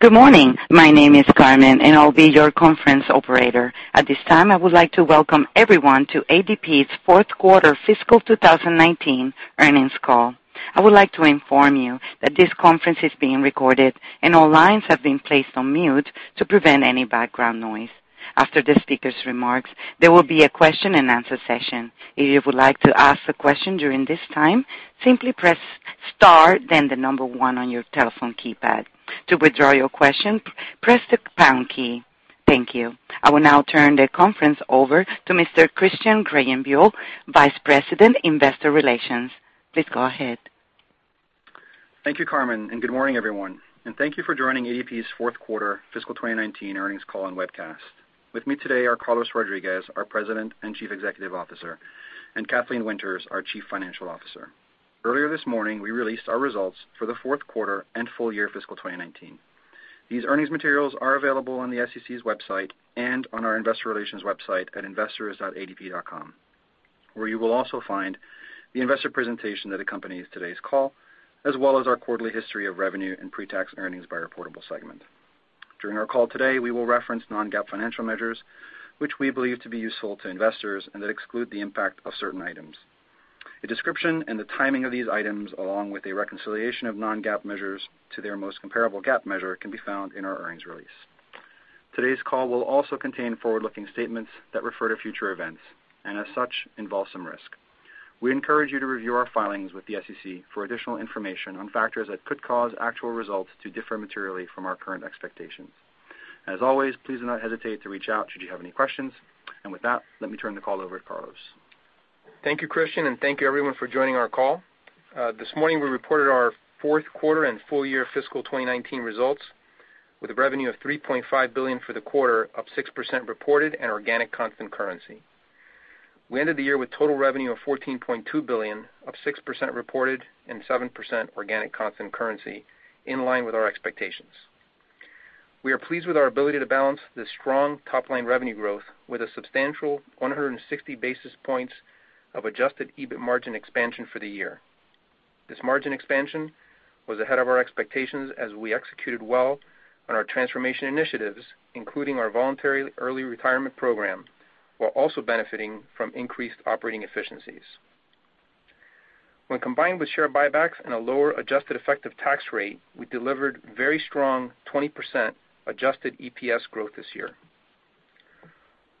Good morning. My name is Carmen, I'll be your conference operator. At this time, I would like to welcome everyone to ADP's fourth quarter fiscal 2019 earnings call. I would like to inform you that this conference is being recorded, all lines have been placed on mute to prevent any background noise. After the speaker's remarks, there will be a question and answer session. If you would like to ask a question during this time, simply press star then the number 1 on your telephone keypad. To withdraw your question, press the pound key. Thank you. I will now turn the conference over to Mr. Christian Greyenbuhl, Vice President, Investor Relations. Please go ahead. Thank you, Carmen, and good morning, everyone, and thank you for joining ADP's fourth quarter fiscal 2019 earnings call and webcast. With me today are Carlos Rodriguez, our President and Chief Executive Officer, and Kathleen Winters, our Chief Financial Officer. Earlier this morning, we released our results for the fourth quarter and full year fiscal 2019. These earnings materials are available on the SEC's website and on our investor relations website at investors.adp.com, where you will also find the investor presentation that accompanies today's call, as well as our quarterly history of revenue and pre-tax earnings by reportable segment. During our call today, we will reference non-GAAP financial measures which we believe to be useful to investors and that exclude the impact of certain items. A description and the timing of these items, along with a reconciliation of non-GAAP measures to their most comparable GAAP measure, can be found in our earnings release. Today's call will also contain forward-looking statements that refer to future events and, as such, involve some risk. We encourage you to review our filings with the SEC for additional information on factors that could cause actual results to differ materially from our current expectations. As always, please do not hesitate to reach out should you have any questions. With that, let me turn the call over to Carlos. Thank you, Christian, and thank you everyone for joining our call. This morning, we reported our fourth quarter and full year fiscal 2019 results with a revenue of $3.5 billion for the quarter, up 6% reported and organic constant currency. We ended the year with total revenue of $14.2 billion, up 6% reported and 7% organic constant currency, in line with our expectations. We are pleased with our ability to balance the strong top-line revenue growth with a substantial 160 basis points of adjusted EBIT margin expansion for the year. This margin expansion was ahead of our expectations as we executed well on our transformation initiatives, including our Voluntary Early Retirement Program, while also benefiting from increased operating efficiencies. When combined with share buybacks and a lower adjusted effective tax rate, we delivered very strong 20% adjusted EPS growth this year.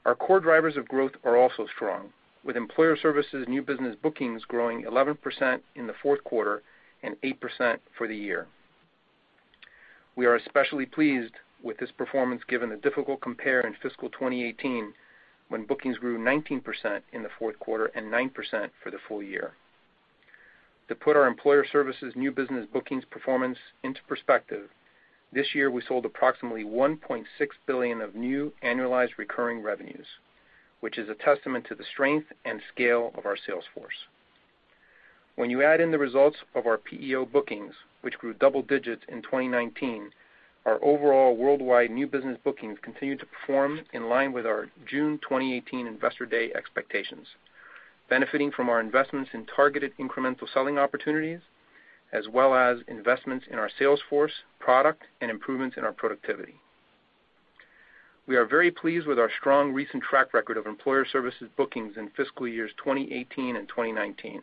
Our core drivers of growth are also strong, with Employer Services new business bookings growing 11% in the fourth quarter and 8% for the year. We are especially pleased with this performance given the difficult compare in fiscal 2018, when bookings grew 19% in the fourth quarter and 9% for the full year. To put our Employer Services new business bookings performance into perspective, this year we sold approximately $1.6 billion of new annualized recurring revenues, which is a testament to the strength and scale of our sales force. When you add in the results of our PEO bookings, which grew double digits in 2019, our overall worldwide new business bookings continued to perform in line with our June 2018 Investor Day expectations, benefiting from our investments in targeted incremental selling opportunities, as well as investments in our sales force, product, and improvements in our productivity. We are very pleased with our strong recent track record of Employer Services bookings in fiscal years 2018 and 2019.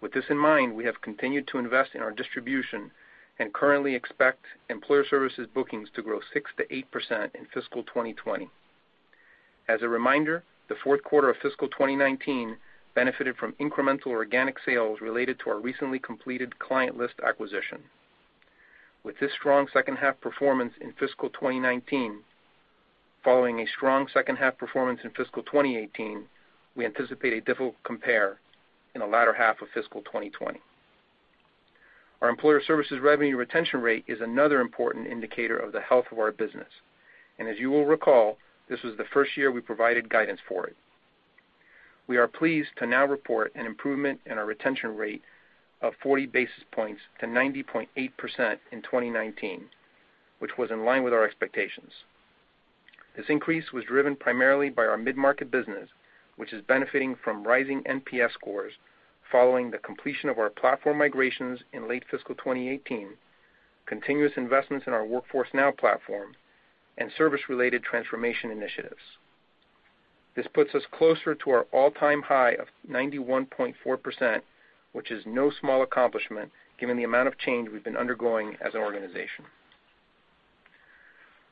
With this in mind, we have continued to invest in our distribution and currently expect Employer Services bookings to grow 6%-8% in fiscal 2020. As a reminder, the fourth quarter of fiscal 2019 benefited from incremental organic sales related to our recently completed client list acquisition. With this strong second half performance in fiscal 2019, following a strong second half performance in fiscal 2018, we anticipate a difficult compare in the latter half of fiscal 2020. Our Employer Services revenue retention rate is another important indicator of the health of our business, and as you will recall, this was the first year we provided guidance for it. We are pleased to now report an improvement in our retention rate of 40 basis points to 90.8% in 2019, which was in line with our expectations. This increase was driven primarily by our mid-market business, which is benefiting from rising NPS scores following the completion of our platform migrations in late fiscal 2018, continuous investments in our Workforce Now platform, and service-related transformation initiatives. This puts us closer to our all-time high of 91.4%, which is no small accomplishment given the amount of change we've been undergoing as an organization.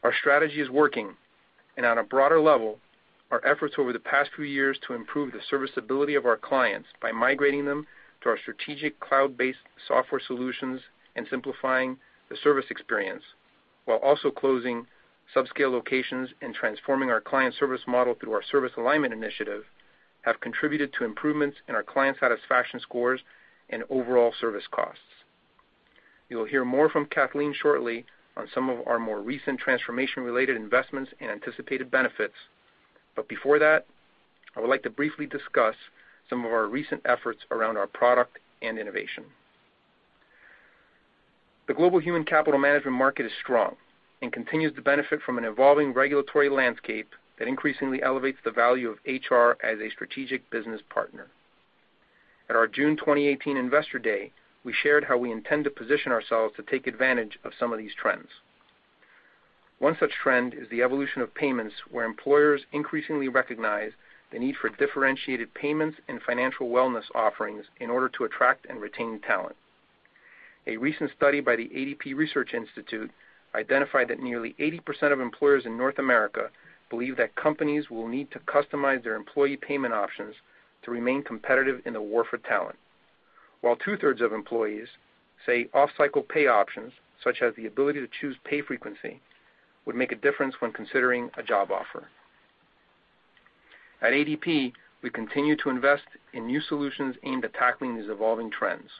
Our strategy is working, and on a broader level, our efforts over the past few years to improve the serviceability of our clients by migrating them to our strategic cloud-based software solutions and simplifying the service experience, while also closing sub-scale locations and transforming our client service model through our service alignment initiative, have contributed to improvements in our client satisfaction scores and overall service costs. You'll hear more from Kathleen shortly on some of our more recent transformation-related investments and anticipated benefits. Before that, I would like to briefly discuss some of our recent efforts around our product and innovation. The global human capital management market is strong and continues to benefit from an evolving regulatory landscape that increasingly elevates the value of HR as a strategic business partner. At our June 2018 Investor Day, we shared how we intend to position ourselves to take advantage of some of these trends. One such trend is the evolution of payments, where employers increasingly recognize the need for differentiated payments and financial wellness offerings in order to attract and retain talent. A recent study by the ADP Research Institute identified that nearly 80% of employers in North America believe that companies will need to customize their employee payment options to remain competitive in the war for talent. While two-thirds of employees say off-cycle pay options, such as the ability to choose pay frequency, would make a difference when considering a job offer. At ADP, we continue to invest in new solutions aimed at tackling these evolving trends.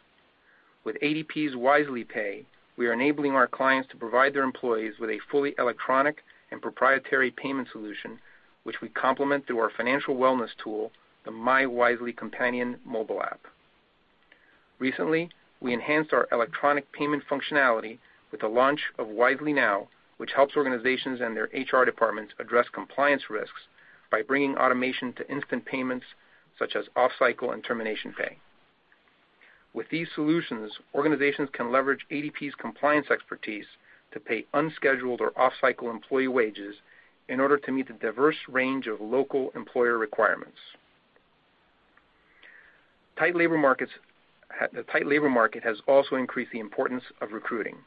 With ADP's Wisely Pay, we are enabling our clients to provide their employees with a fully electronic and proprietary payment solution, which we complement through our financial wellness tool, the myWisely Companion mobile app. Recently, we enhanced our electronic payment functionality with the launch of Wisely Now, which helps organizations and their HR departments address compliance risks by bringing automation to instant payments, such as off-cycle and termination pay. With these solutions, organizations can leverage ADP's compliance expertise to pay unscheduled or off-cycle employee wages in order to meet the diverse range of local employer requirements. The tight labor market has also increased the importance of recruiting.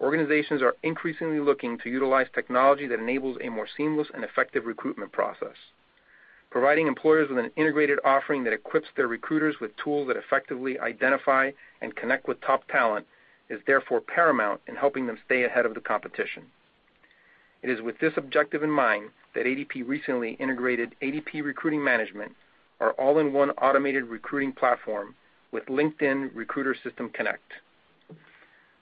Organizations are increasingly looking to utilize technology that enables a more seamless and effective recruitment process. Providing employers with an integrated offering that equips their recruiters with tools that effectively identify and connect with top talent is therefore paramount in helping them stay ahead of the competition. It is with this objective in mind that ADP recently integrated ADP Recruiting Management, our all-in-one automated recruiting platform, with LinkedIn Recruiter System Connect.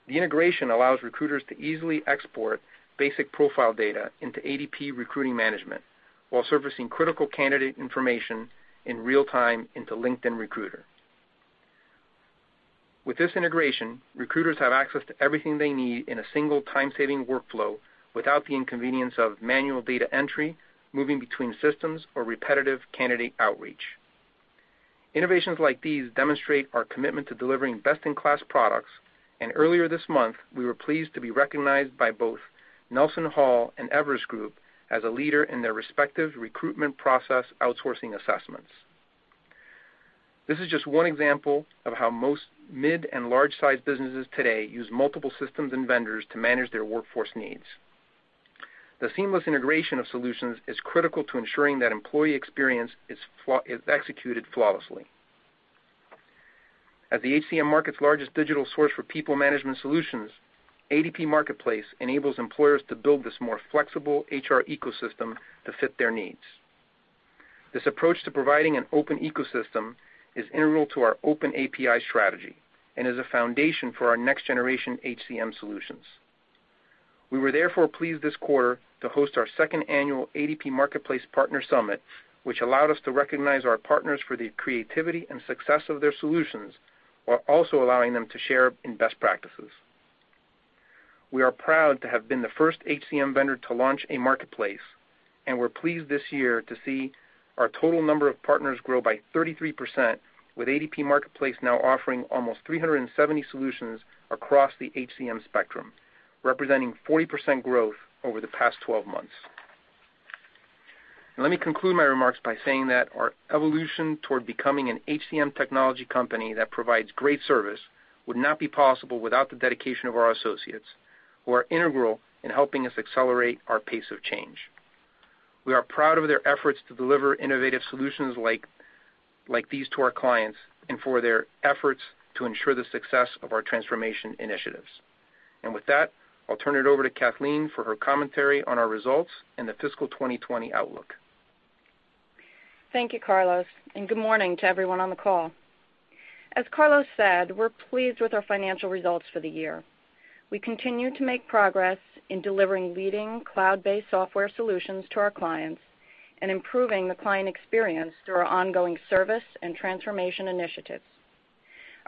The integration allows recruiters to easily export basic profile data into ADP Recruiting Management while servicing critical candidate information in real time into LinkedIn Recruiter. With this integration, recruiters have access to everything they need in a single time-saving workflow without the inconvenience of manual data entry, moving between systems, or repetitive candidate outreach. Innovations like these demonstrate our commitment to delivering best-in-class products, and earlier this month, we were pleased to be recognized by both NelsonHall and Everest Group as a leader in their respective recruitment process outsourcing assessments. This is just one example of how most mid and large-sized businesses today use multiple systems and vendors to manage their workforce needs. The seamless integration of solutions is critical to ensuring that employee experience is executed flawlessly. At the HCM market's largest digital source for people management solutions, ADP Marketplace enables employers to build this more flexible HR ecosystem to fit their needs. This approach to providing an open ecosystem is integral to our open API strategy and is a foundation for our next-generation HCM solutions. We were therefore pleased this quarter to host our second annual ADP Marketplace Partner Summit, which allowed us to recognize our partners for the creativity and success of their solutions, while also allowing them to share in best practices. We are proud to have been the first HCM vendor to launch a marketplace. We're pleased this year to see our total number of partners grow by 33%, with ADP Marketplace now offering almost 370 solutions across the HCM spectrum, representing 40% growth over the past 12 months. Let me conclude my remarks by saying that our evolution toward becoming an HCM technology company that provides great service would not be possible without the dedication of our associates who are integral in helping us accelerate our pace of change. We are proud of their efforts to deliver innovative solutions like these to our clients and for their efforts to ensure the success of our transformation initiatives. With that, I'll turn it over to Kathleen for her commentary on our results and the fiscal 2020 outlook. Thank you, Carlos, and good morning to everyone on the call. As Carlos said, we're pleased with our financial results for the year. We continue to make progress in delivering leading cloud-based software solutions to our clients and improving the client experience through our ongoing service and transformation initiatives.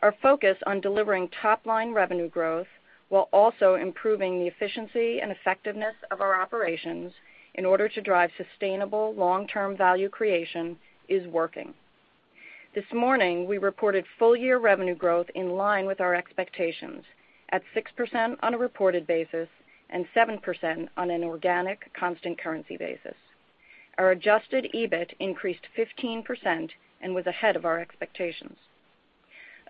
Our focus on delivering top-line revenue growth while also improving the efficiency and effectiveness of our operations in order to drive sustainable long-term value creation is working. This morning, we reported full-year revenue growth in line with our expectations at 6% on a reported basis and 7% on an organic constant currency basis. Our adjusted EBIT increased 15% and was ahead of our expectations.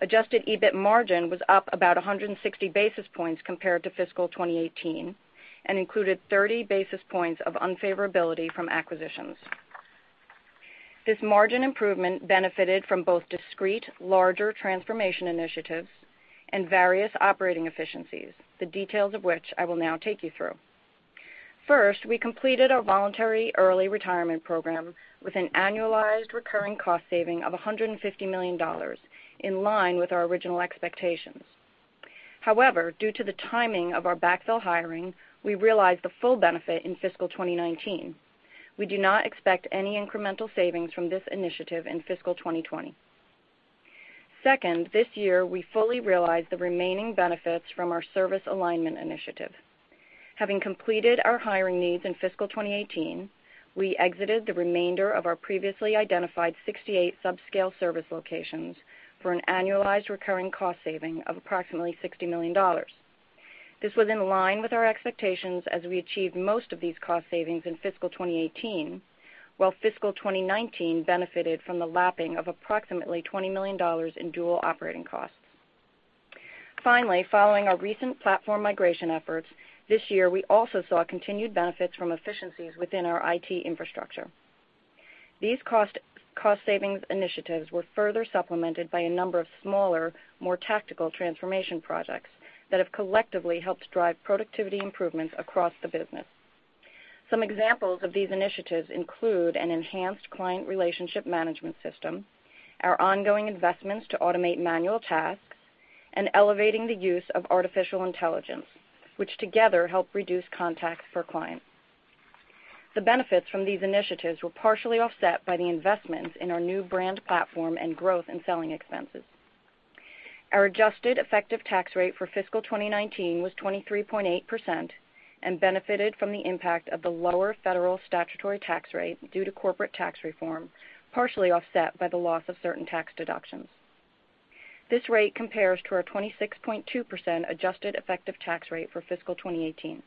Adjusted EBIT margin was up about 160 basis points compared to fiscal 2018 and included 30 basis points of unfavorability from acquisitions. This margin improvement benefited from both discrete larger transformation initiatives and various operating efficiencies, the details of which I will now take you through. First, we completed our Voluntary Early Retirement Program with an annualized recurring cost saving of $150 million, in line with our original expectations. However, due to the timing of our backfill hiring, we realized the full benefit in fiscal 2019. We do not expect any incremental savings from this initiative in fiscal 2020. Second, this year we fully realized the remaining benefits from our service alignment initiative. Having completed our hiring needs in fiscal 2018, we exited the remainder of our previously identified 68 sub-scale service locations for an annualized recurring cost saving of approximately $60 million. This was in line with our expectations as we achieved most of these cost savings in fiscal 2018, while fiscal 2019 benefited from the lapping of approximately $20 million in dual operating costs. Following our recent platform migration efforts, this year we also saw continued benefits from efficiencies within our IT infrastructure. These cost savings initiatives were further supplemented by a number of smaller, more tactical transformation projects that have collectively helped drive productivity improvements across the business. Some examples of these initiatives include an enhanced client relationship management system, our ongoing investments to automate manual tasks, and elevating the use of artificial intelligence, which together help reduce contacts for clients. The benefits from these initiatives were partially offset by the investments in our new brand platform and growth in selling expenses. Our adjusted effective tax rate for fiscal 2019 was 23.8% and benefited from the impact of the lower federal statutory tax rate due to corporate tax reform, partially offset by the loss of certain tax deductions. This rate compares to our 26.2% adjusted effective tax rate for fiscal 2018.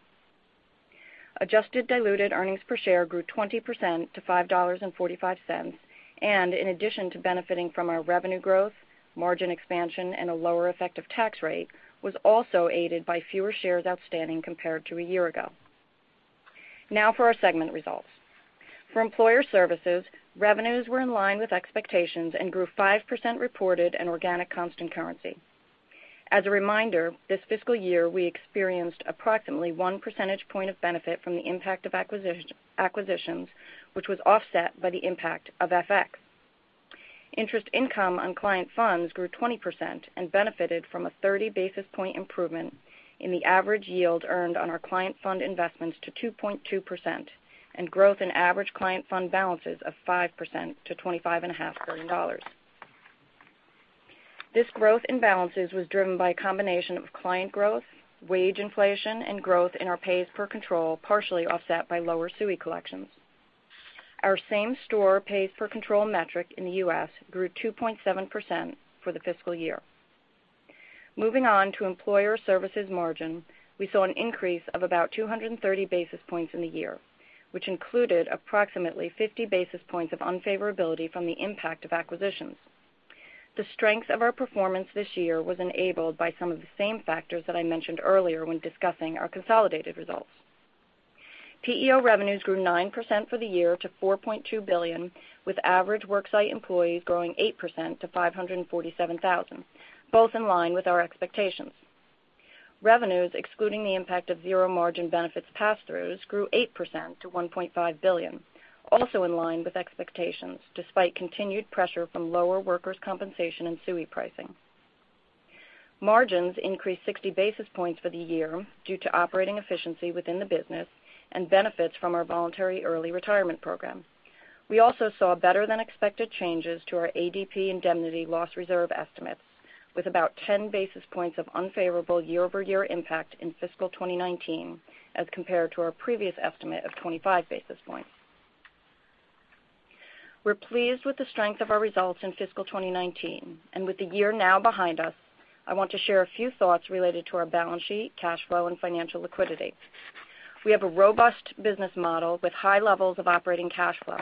Adjusted diluted earnings per share grew 20% to $5.45, and in addition to benefiting from our revenue growth, margin expansion, and a lower effective tax rate, was also aided by fewer shares outstanding compared to a year ago. For our segment results. For Employer Services, revenues were in line with expectations and grew 5% reported in organic constant currency. As a reminder, this fiscal year we experienced approximately one percentage point of benefit from the impact of acquisitions, which was offset by the impact of FX. Interest income on client funds grew 20% and benefited from a 30 basis points improvement in the average yield earned on our client fund investments to 2.2%, and growth in average client fund balances of 5% to $25.5 billion. This growth in balances was driven by a combination of client growth, wage inflation, and growth in our pays per control, partially offset by lower SUI collections. Our same store pays per control metric in the U.S. grew 2.7% for the fiscal year. Moving on to Employer Services margin, we saw an increase of about 230 basis points in the year, which included approximately 50 basis points of unfavorability from the impact of acquisitions. The strength of our performance this year was enabled by some of the same factors that I mentioned earlier when discussing our consolidated results. PEO revenues grew 9% for the year to $4.2 billion, with average work site employees growing 8% to 547,000, both in line with our expectations. Revenues excluding the impact of zero margin benefits pass-throughs grew 8% to $1.5 billion, also in line with expectations, despite continued pressure from lower workers' compensation and SUI pricing. Margins increased 60 basis points for the year due to operating efficiency within the business and benefits from our voluntary early retirement program. We also saw better than expected changes to our ADP Indemnity loss reserve estimates, with about 10 basis points of unfavorable year-over-year impact in fiscal 2019 as compared to our previous estimate of 25 basis points. We're pleased with the strength of our results in fiscal 2019. With the year now behind us, I want to share a few thoughts related to our balance sheet, cash flow, and financial liquidity. We have a robust business model with high levels of operating cash flow.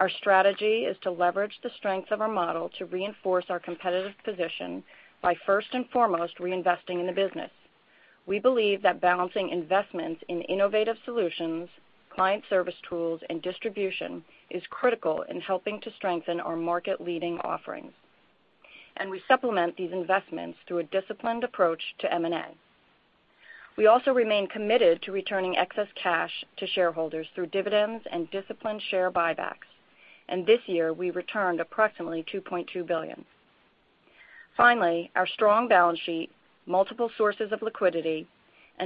Our strategy is to leverage the strength of our model to reinforce our competitive position by first and foremost reinvesting in the business. We believe that balancing investments in innovative solutions, client service tools, and distribution is critical in helping to strengthen our market leading offerings. We supplement these investments through a disciplined approach to M&A. We also remain committed to returning excess cash to shareholders through dividends and disciplined share buybacks. This year we returned approximately $2.2 billion. Finally, our strong balance sheet, multiple sources of liquidity, and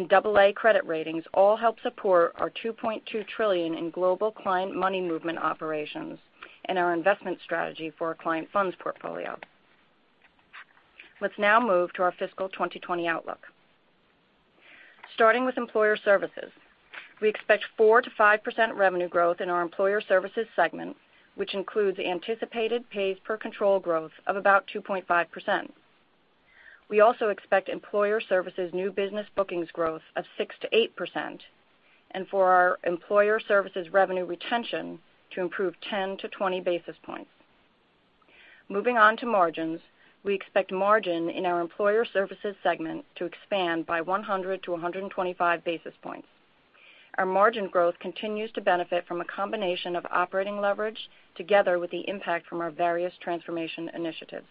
double A credit ratings all help support our $2.2 trillion in global client money movement operations and our investment strategy for our client funds portfolio. Let's now move to our fiscal 2020 outlook. Starting with Employer Services, we expect 4% to 5% revenue growth in our Employer Services segment, which includes anticipated pays per control growth of about 2.5%. We also expect Employer Services new business bookings growth of 6% to 8%, and for our Employer Services revenue retention to improve 10 to 20 basis points. Moving on to margins, we expect margin in our Employer Services segment to expand by 100 to 125 basis points. Our margin growth continues to benefit from a combination of operating leverage together with the impact from our various transformation initiatives.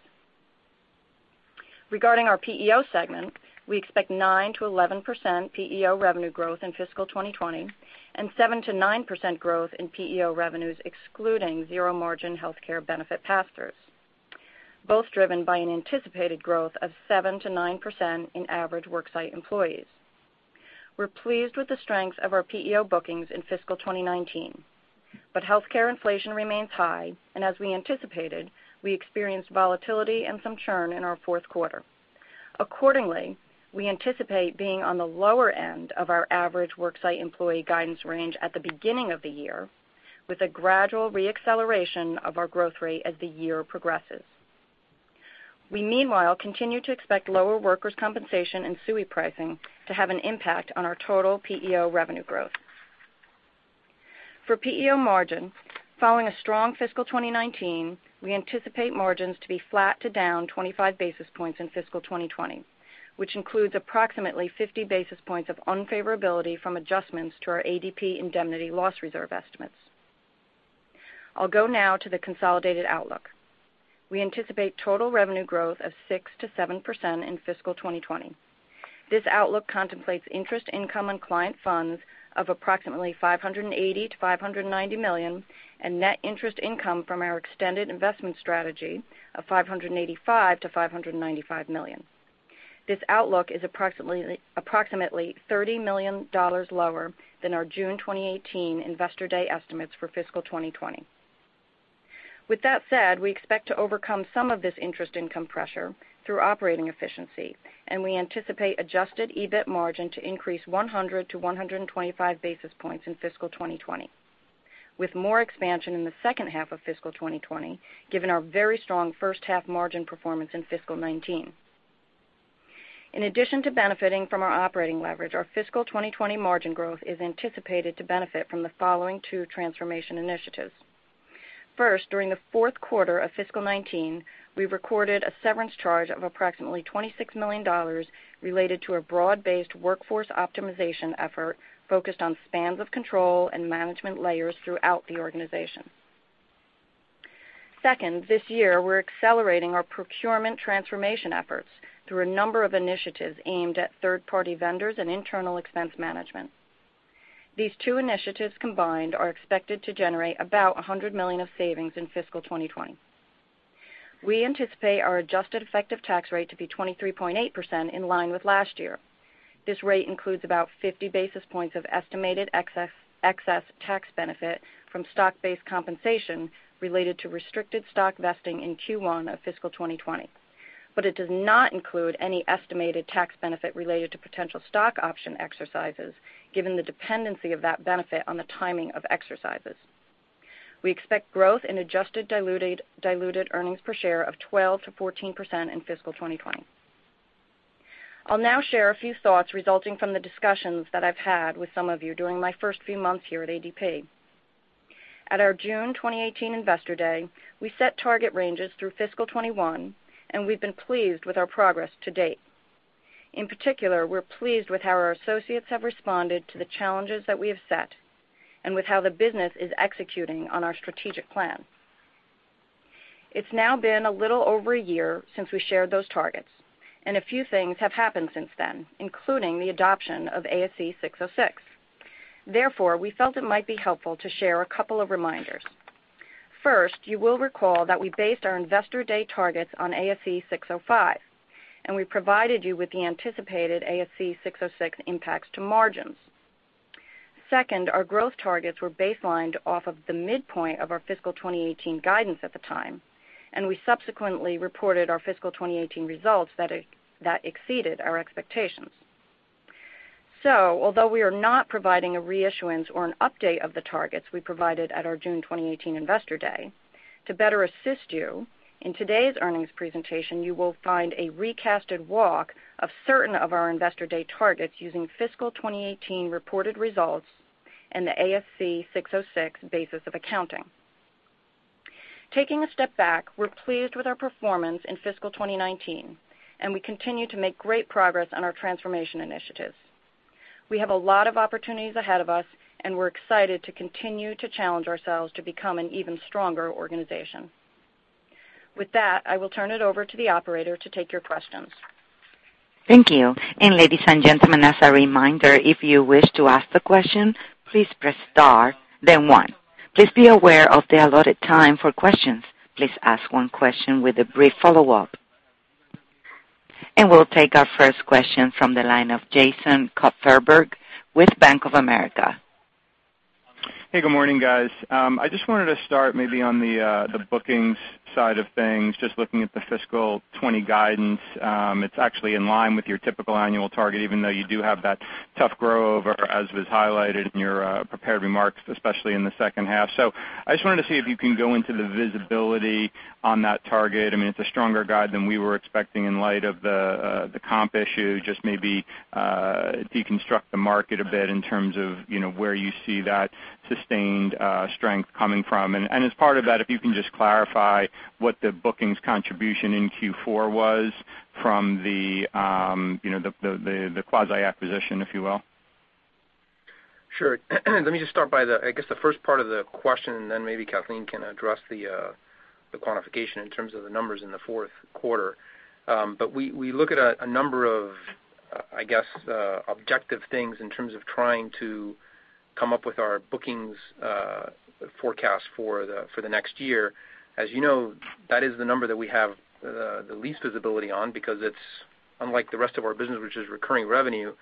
Regarding our PEO segment, we expect 9% to 11% PEO revenue growth in fiscal 2020 and 7% to 9% growth in PEO revenues excluding zero margin healthcare benefit pass-throughs. Both driven by an anticipated growth of 7% to 9% in average worksite employees. We're pleased with the strength of our PEO bookings in fiscal 2019. Healthcare inflation remains high, and as we anticipated, we experienced volatility and some churn in our fourth quarter. Accordingly, we anticipate being on the lower end of our average worksite employee guidance range at the beginning of the year, with a gradual re-acceleration of our growth rate as the year progresses. We meanwhile continue to expect lower workers' compensation and UI pricing to have an impact on our total PEO revenue growth. For PEO margin, following a strong fiscal 2019, we anticipate margins to be flat to down 25 basis points in fiscal 2020, which includes approximately 50 basis points of unfavorability from adjustments to our ADP Indemnity loss reserve estimates. I'll go now to the consolidated outlook. We anticipate total revenue growth of 6%-7% in fiscal 2020. This outlook contemplates interest income on client funds of approximately $580 million-$590 million, and net interest income from our extended investment strategy of $585 million-$595 million. This outlook is approximately $30 million lower than our June 2018 Investor Day estimates for fiscal 2020. With that said, we expect to overcome some of this interest income pressure through operating efficiency, and we anticipate adjusted EBIT margin to increase 100-125 basis points in fiscal 2020, with more expansion in the second half of fiscal 2020, given our very strong first half margin performance in fiscal 2019. In addition to benefiting from our operating leverage, our fiscal 2020 margin growth is anticipated to benefit from the following two transformation initiatives. First, during the fourth quarter of fiscal 2019, we recorded a severance charge of approximately $26 million related to a broad-based workforce optimization effort focused on spans of control and management layers throughout the organization. Second, this year, we're accelerating our procurement transformation efforts through a number of initiatives aimed at third-party vendors and internal expense management. These two initiatives combined are expected to generate about $100 million of savings in fiscal 2020. We anticipate our adjusted effective tax rate to be 23.8%, in line with last year. This rate includes about 50 basis points of estimated excess tax benefit from stock-based compensation related to restricted stock vesting in Q1 of fiscal 2020. It does not include any estimated tax benefit related to potential stock option exercises, given the dependency of that benefit on the timing of exercises. We expect growth in adjusted diluted earnings per share of 12%-14% in fiscal 2020. I'll now share a few thoughts resulting from the discussions that I've had with some of you during my first few months here at ADP. At our June 2018 Investor Day, we set target ranges through fiscal 2021. We've been pleased with our progress to date. In particular, we're pleased with how our associates have responded to the challenges that we have set and with how the business is executing on our strategic plan. It's now been a little over a year since we shared those targets. A few things have happened since then, including the adoption of ASC 606. Therefore, we felt it might be helpful to share a couple of reminders. First, you will recall that we based our Investor Day targets on ASC 605, and we provided you with the anticipated ASC 606 impacts to margins. Second, our growth targets were baselined off of the midpoint of our fiscal 2018 guidance at the time, and we subsequently reported our fiscal 2018 results that exceeded our expectations. Although we are not providing a reissuance or an update of the targets we provided at our June 2018 Investor Day, to better assist you, in today's earnings presentation, you will find a recasted walk of certain of our Investor Day targets using fiscal 2018 reported results and the ASC 606 basis of accounting. Taking a step back, we're pleased with our performance in fiscal 2019, and we continue to make great progress on our transformation initiatives. We have a lot of opportunities ahead of us, and we're excited to continue to challenge ourselves to become an even stronger organization. With that, I will turn it over to the operator to take your questions. Thank you. Ladies and gentlemen, as a reminder, if you wish to ask the question, please press star, then one. Please be aware of the allotted time for questions. Please ask one question with a brief follow-up. We'll take our first question from the line of Jason Kupferberg with Bank of America. Hey, good morning, guys. I just wanted to start maybe on the bookings side of things, just looking at the fiscal 2020 guidance. It's actually in line with your typical annual target, even though you do have that tough grow-over, as was highlighted in your prepared remarks, especially in the second half. I just wanted to see if you can go into the visibility on that target. I mean, it's a stronger guide than we were expecting in light of the comp issue. Just maybe deconstruct the market a bit in terms of where you see that sustained strength coming from. As part of that, if you can just clarify what the bookings contribution in Q4 was from the quasi acquisition, if you will. Sure. Let me just start by, I guess, the first part of the question, then maybe Kathleen can address the quantification in terms of the numbers in the fourth quarter. We look at a number of I guess, objective things in terms of trying to come up with our bookings forecast for the next year. As you know, that is the number that we have the least visibility on because it's unlike the rest of our business, which is recurring revenue.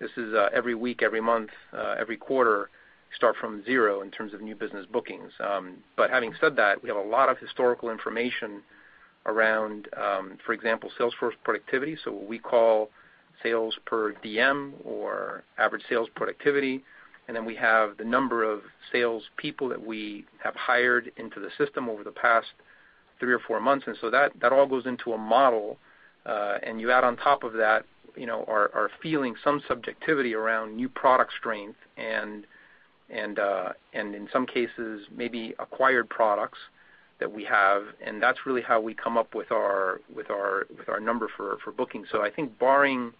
This is every week, every month, every quarter, start from zero in terms of new business bookings. Having said that, we have a lot of historical information around, for example, sales force productivity, so what we call sales per DM or average sales productivity. Then we have the number of salespeople that we have hired into the system over the past three or four months, and so that all goes into a model. You add on top of that, are feeling some subjectivity around new product strength and in some cases, maybe acquired products that we have, and that's really how we come up with our number for booking. I think barring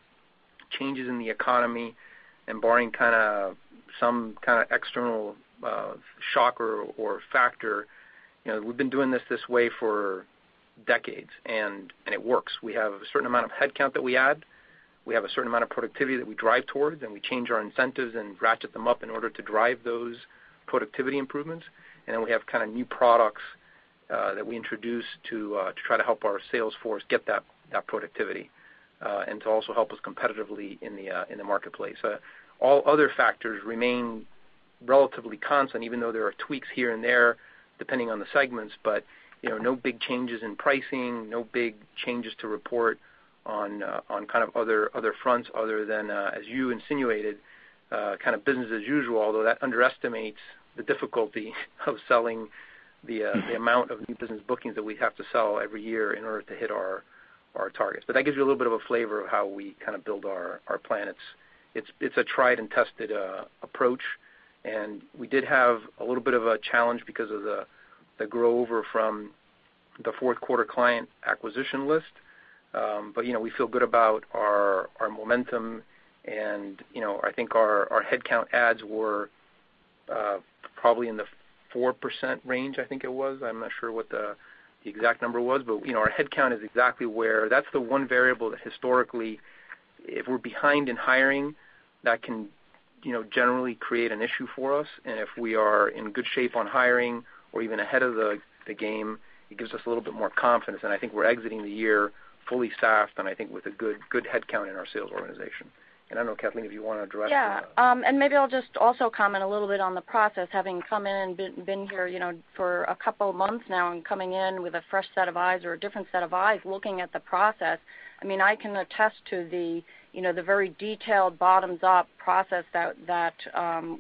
changes in the economy and barring some kind of external shock or factor, we've been doing this this way for decades, and it works. We have a certain amount of headcount that we add. We have a certain amount of productivity that we drive towards, and we change our incentives and ratchet them up in order to drive those productivity improvements. Then we have new products that we introduce to try to help our sales force get that productivity, and to also help us competitively in the marketplace. All other factors remain relatively constant, even though there are tweaks here and there depending on the segments. But no big changes in pricing, no big changes to report on other fronts other than, as you insinuated, business as usual, although that underestimates the difficulty of selling the amount of new business bookings that we have to sell every year in order to hit our targets. But that gives you a little bit of a flavor of how we build our plan. It's a tried-and-tested approach, and we did have a little bit of a challenge because of the grow-over from the fourth quarter client acquisition list. We feel good about our momentum, and I think our headcount adds were probably in the 4% range, I think it was. I'm not sure what the exact number was, but our headcount is exactly where. That's the one variable that historically, if we're behind in hiring, that can generally create an issue for us, and if we are in good shape on hiring or even ahead of the game, it gives us a little bit more confidence. I think we're exiting the year fully staffed, and I think with a good headcount in our sales organization. I don't know, Kathleen, if you want to address. Yeah. Maybe I'll just also comment a little bit on the process, having come in and been here for a couple of months now and coming in with a fresh set of eyes or a different set of eyes looking at the process. I can attest to the very detailed bottoms-up process that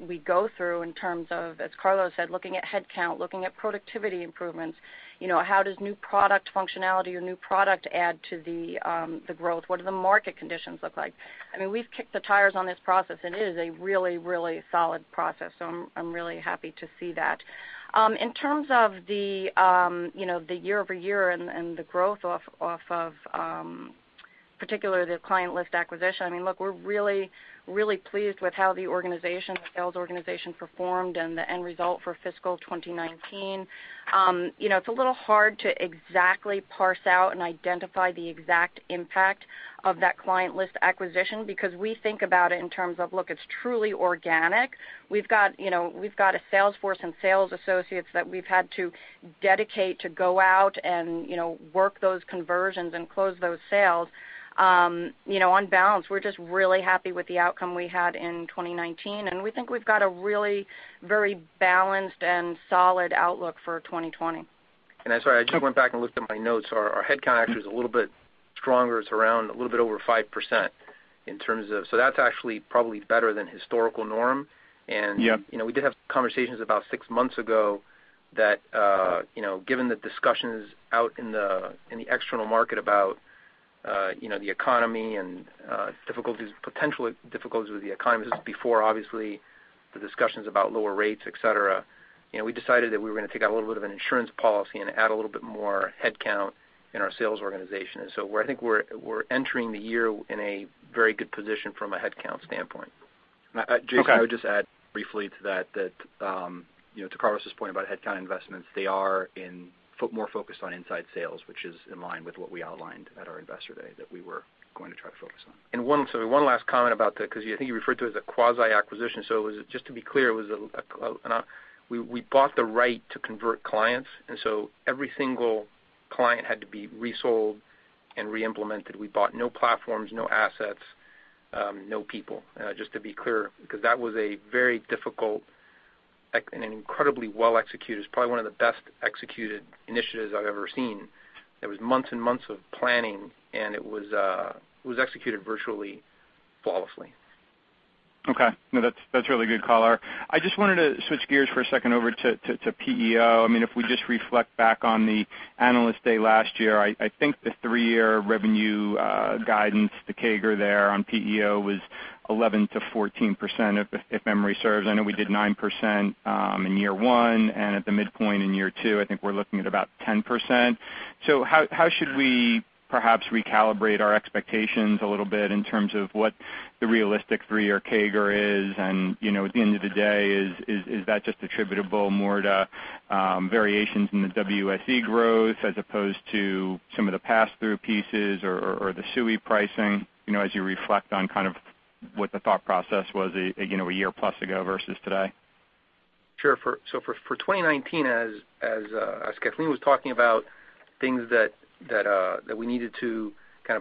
we go through in terms of, as Carlos said, looking at headcount, looking at productivity improvements. How does new product functionality or new product add to the growth? What do the market conditions look like? We've kicked the tires on this process, and it is a really solid process, so I'm really happy to see that. In terms of the year-over-year and the growth off of, particular the client list acquisition, look, we're really pleased with how the sales organization performed and the end result for fiscal 2019. It's a little hard to exactly parse out and identify the exact impact of that client list acquisition because we think about it in terms of, look, it's truly organic. We've got a sales force and sales associates that we've had to dedicate to go out and work those conversions and close those sales. On balance, we're just really happy with the outcome we had in 2019, and we think we've got a really very balanced and solid outlook for 2020. I'm sorry, I just went back and looked at my notes. Our headcount actually was a little bit stronger. It's around a little bit over 5%. That's actually probably better than historical norm. Yep. We did have conversations about six months ago that, given the discussions out in the external market about the economy and potential difficulties with the economy, this was before, obviously, the discussions about lower rates, et cetera. We decided that we were going to take out a little bit of an insurance policy and add a little bit more headcount in our sales organization. I think we're entering the year in a very good position from a headcount standpoint. Okay. Jason, I would just add briefly to that, to Carlos's point about headcount investments, they are more focused on inside sales, which is in line with what we outlined at our investor day that we were going to try to focus on. One, sorry, one last comment about the because I think you referred to it as a quasi-acquisition. Just to be clear, we bought the right to convert clients, every single client had to be resold and re-implemented. We bought no platforms, no assets, no people. Just to be clear, because that was a very difficult and an incredibly well-executed, it's probably one of the best-executed initiatives I've ever seen. There was months and months of planning, and it was executed virtually flawlessly. Okay. No, that's really good color. I just wanted to switch gears for a second over to PEO. If we just reflect back on the Analyst Day last year, I think the three-year revenue guidance, the CAGR there on PEO was 11%-14%, if memory serves. I know we did 9% in year one, and at the midpoint in year two, I think we're looking at about 10%. How should we perhaps recalibrate our expectations a little bit in terms of what the realistic three-year CAGR is, and at the end of the day, is that just attributable more to variations in the WSE growth as opposed to some of the pass-through pieces or the SUI pricing, as you reflect on what the thought process was a year plus ago versus today? Sure. For 2019, as Kathleen was talking about things that we needed to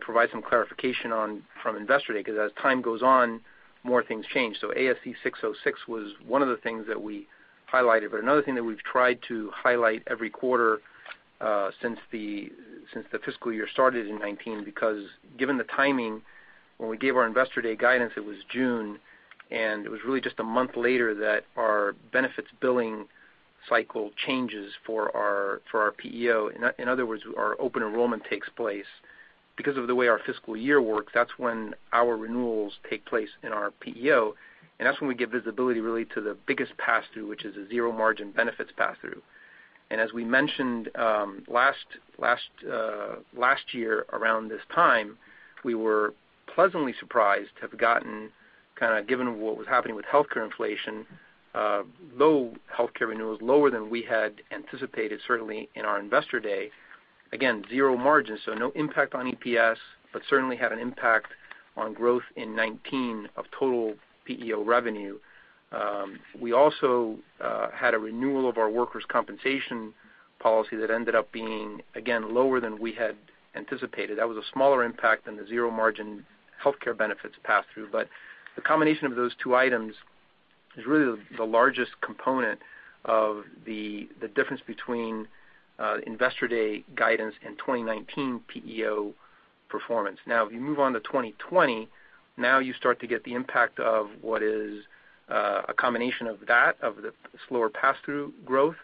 provide some clarification on from Investor Day, because as time goes on, more things change. ASC 606 was one of the things that we highlighted, but another thing that we've tried to highlight every quarter since the fiscal year started in 2019, because given the timing, when we gave our Investor Day guidance, it was June, and it was really just a month later that our benefits billing cycle changes for our PEO. In other words, our open enrollment takes place. Because of the way our fiscal year works, that's when our renewals take place in our PEO, and that's when we get visibility, really, to the biggest pass-through, which is a zero margin benefits pass-through. As we mentioned last year around this time, we were pleasantly surprised to have gotten, given what was happening with healthcare inflation, low healthcare renewals, lower than we had anticipated, certainly, in our Investor Day. Again, zero margin, so no impact on EPS, but certainly had an impact on growth in 2019 of total PEO revenue. We also had a renewal of our workers' compensation policy that ended up being, again, lower than we had anticipated. That was a smaller impact than the zero margin healthcare benefits pass-through. The combination of those two items is really the largest component of the difference between Investor Day guidance and 2019 PEO performance. Now, if you move on to 2020, now you start to get the impact of what is a combination of that, of the slower pass-through growth,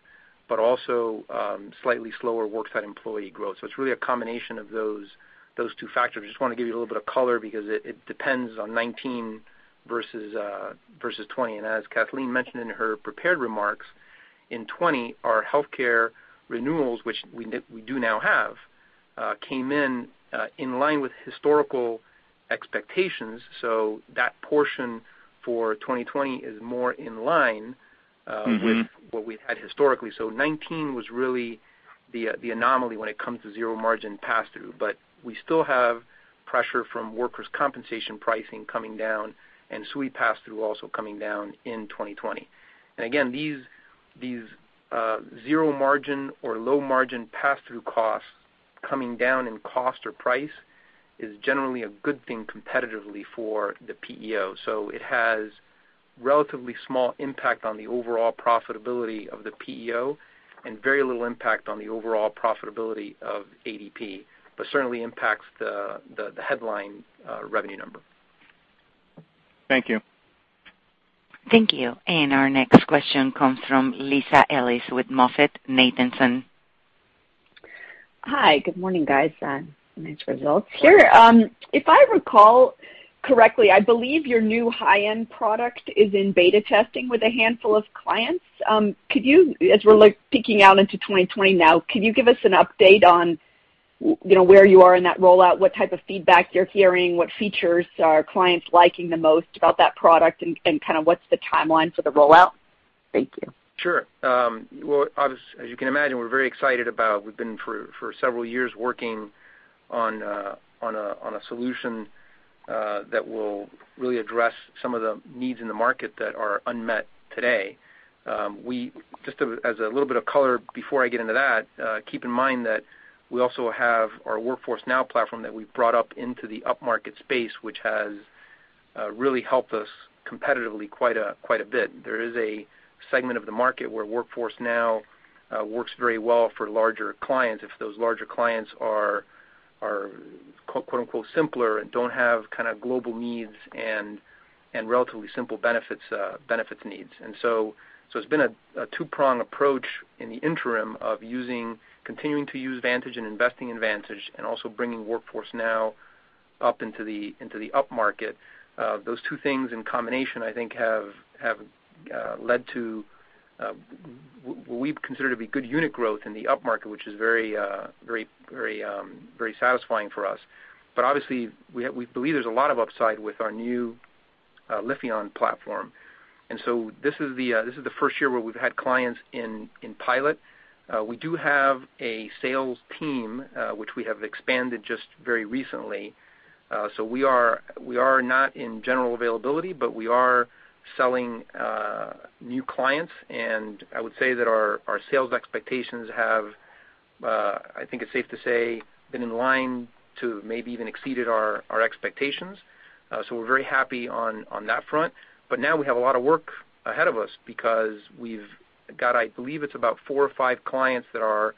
but also slightly slower worksite employee growth. It's really a combination of those two factors. Just want to give you a little bit of color because it depends on 2019 versus 2020. As Kathleen mentioned in her prepared remarks, in 2020, our healthcare renewals, which we do now have, came in line with historical expectations. That portion for 2020 is more in line. with what we've had historically. 2019 was really the anomaly when it comes to zero margin pass-through. We still have pressure from workers' compensation pricing coming down and SUI pass-through also coming down in 2020. Again, these zero margin or low margin pass-through costs coming down in cost or price is generally a good thing competitively for the PEO. It has relatively small impact on the overall profitability of the PEO and very little impact on the overall profitability of ADP, but certainly impacts the headline revenue number. Thank you. Thank you. Our next question comes from Lisa Ellis with MoffettNathanson. Hi. Good morning, guys. Nice results here. If I recall correctly, I believe your new high-end product is in beta testing with a handful of clients. As we're peeking out into 2020 now, can you give us an update on where you are in that rollout, what type of feedback you're hearing, what features are clients liking the most about that product, and what's the timeline for the rollout? Thank you. Sure. Well, as you can imagine, We've been, for several years, working on a solution that will really address some of the needs in the market that are unmet today. Just as a little bit of color before I get into that, keep in mind that we also have our Workforce Now platform that we've brought up into the upmarket space, which has really helped us competitively quite a bit. There is a segment of the market where Workforce Now works very well for larger clients if those larger clients are, quote, unquote, "simpler" and don't have global needs and relatively simple benefits needs. It's been a two-prong approach in the interim of continuing to use Vantage and investing in Vantage and also bringing Workforce Now up into the upmarket. Those two things in combination, I think, have led to what we've considered to be good unit growth in the upmarket, which is very satisfying for us. Obviously, we believe there's a lot of upside with our new Lifion platform. This is the first year where we've had clients in pilot. We do have a sales team, which we have expanded just very recently. We are not in general availability, but we are selling new clients, and I would say that our sales expectations have, I think it's safe to say, been in line to maybe even exceeded our expectations. We're very happy on that front. Now we have a lot of work ahead of us because we've got, I believe it's about four or five clients that are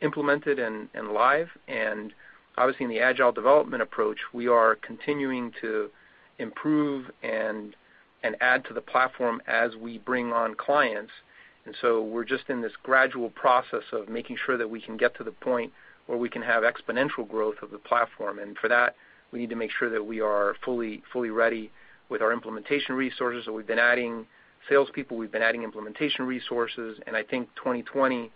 implemented and live. Obviously in the agile development approach, we are continuing to improve and add to the platform as we bring on clients. We're just in this gradual process of making sure that we can get to the point where we can have exponential growth of the platform. For that, we need to make sure that we are fully ready with our implementation resources. We've been adding salespeople, we've been adding implementation resources, and I think 2020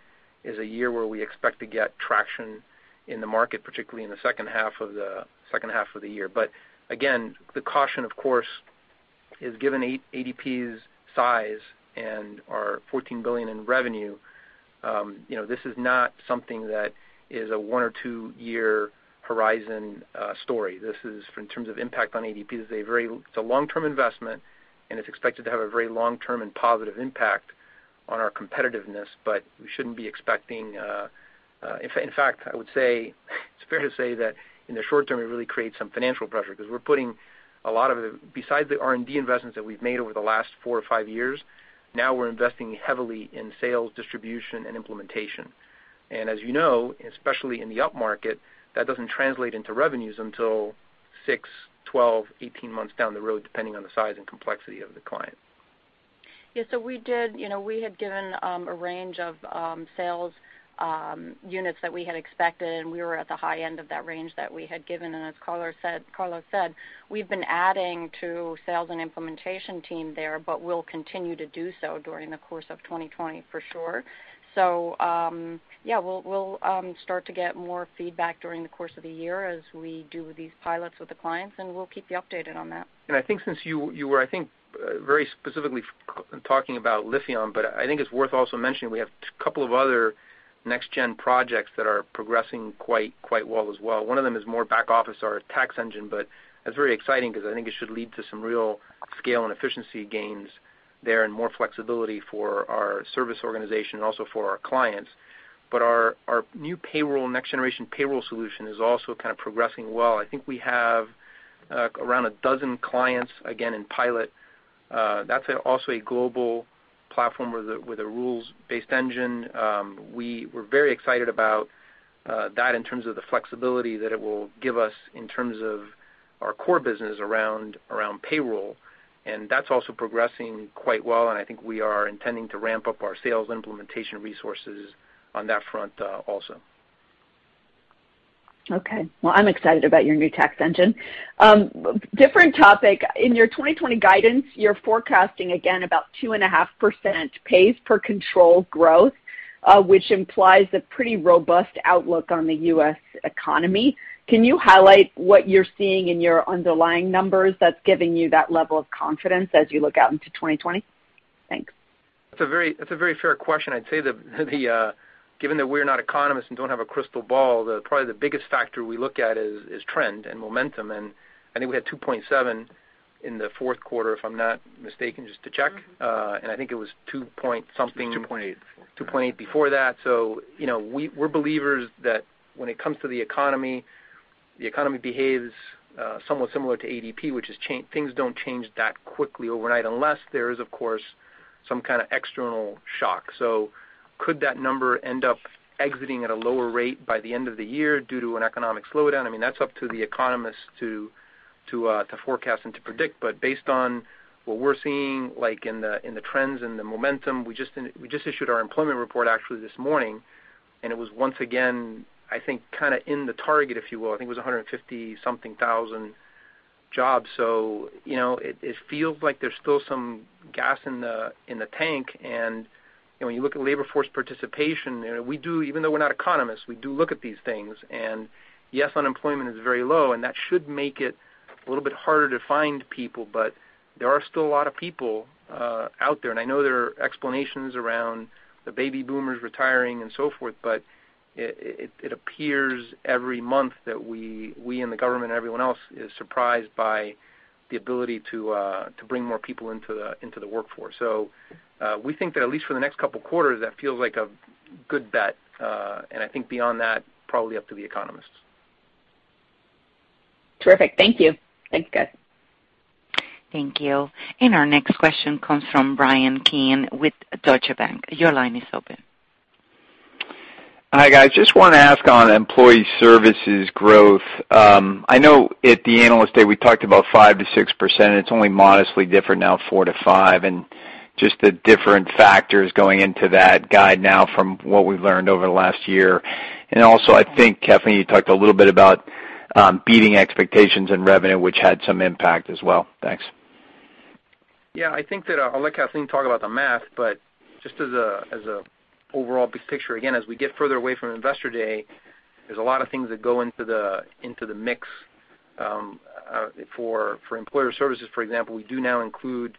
is a year where we expect to get traction in the market, particularly in the second half of the year. Again, the caution, of course, is given ADP's size and our $14 billion in revenue, this is not something that is a one or two-year horizon story. This is, in terms of impact on ADP, it's a long-term investment, and it's expected to have a very long-term and positive impact on our competitiveness. In fact, I would say, it's fair to say that in the short term, it really creates some financial pressure because we're putting a lot of the Besides the R&D investments that we've made over the last four or five years, now we're investing heavily in sales, distribution, and implementation. As you know, especially in the upmarket, that doesn't translate into revenues until six, 12, 18 months down the road, depending on the size and complexity of the client. Yeah. We had given a range of sales units that we had expected, and we were at the high end of that range that we had given. As Carlos said, we've been adding to sales and implementation team there, but we'll continue to do so during the course of 2020 for sure. Yeah, we'll start to get more feedback during the course of the year as we do these pilots with the clients, and we'll keep you updated on that. I think since you were, I think, very specifically talking about Lifion, it's worth also mentioning we have a couple of other next-gen projects that are progressing quite well as well. One of them is more back office, our tax engine, that's very exciting because I think it should lead to some real scale and efficiency gains there and more flexibility for our service organization and also for our clients. Our new payroll, next generation payroll solution, is also kind of progressing well. I think we have around a dozen clients, again, in pilot. That's also a global platform with a rules-based engine. We're very excited about that in terms of the flexibility that it will give us in terms of our core business around payroll, and that's also progressing quite well, and I think we are intending to ramp up our sales implementation resources on that front also. Okay. Well, I'm excited about your new tax engine. Different topic: in your 2020 guidance, you're forecasting again about 2.5% pays per control growth, which implies a pretty robust outlook on the U.S. economy. Can you highlight what you're seeing in your underlying numbers that's giving you that level of confidence as you look out into 2020? Thanks. That's a very fair question. I'd say that given that we're not economists and don't have a crystal ball, probably the biggest factor we look at is trend and momentum, and I think we had 2.7 in the fourth quarter, if I'm not mistaken, just to check. I think it was 2.8 before. 2.8 before that. We're believers that when it comes to the economy, the economy behaves somewhat similar to ADP, which is things don't change that quickly overnight unless there is, of course, some kind of external shock. Could that number end up exiting at a lower rate by the end of the year due to an economic slowdown? That's up to the economists to forecast and to predict. Based on what we're seeing in the trends and the momentum, we just issued our employment report actually this morning, and it was once again, I think, in the target, if you will. I think it was 150 something thousand jobs. It feels like there's still some gas in the tank. When you look at labor force participation, even though we're not economists, we do look at these things. Yes, unemployment is very low, and that should make it a little bit harder to find people. There are still a lot of people out there. I know there are explanations around the baby boomers retiring and so forth. It appears every month that we in the government and everyone else is surprised by the ability to bring more people into the workforce. We think that at least for the next couple of quarters, that feels like a good bet. I think beyond that, probably up to the economists. Terrific. Thank you. Thanks, guys. Thank you. Our next question comes from Bryan Keane with Deutsche Bank. Your line is open. Hi, guys. Just want to ask on Employer Services growth. I know at the Analyst Day, we talked about 5% to 6%, and it's only modestly different now, 4% to 5%, and just the different factors going into that guide now from what we've learned over the last year. Also, I think, Kathleen, you talked a little bit about beating expectations in revenue, which had some impact as well. Thanks. Yeah, I think that I'll let Kathleen talk about the math, but just as an overall big picture, again, as we get further away from Investor Day, there's a lot of things that go into the mix. For Employer Services, for example, we do now include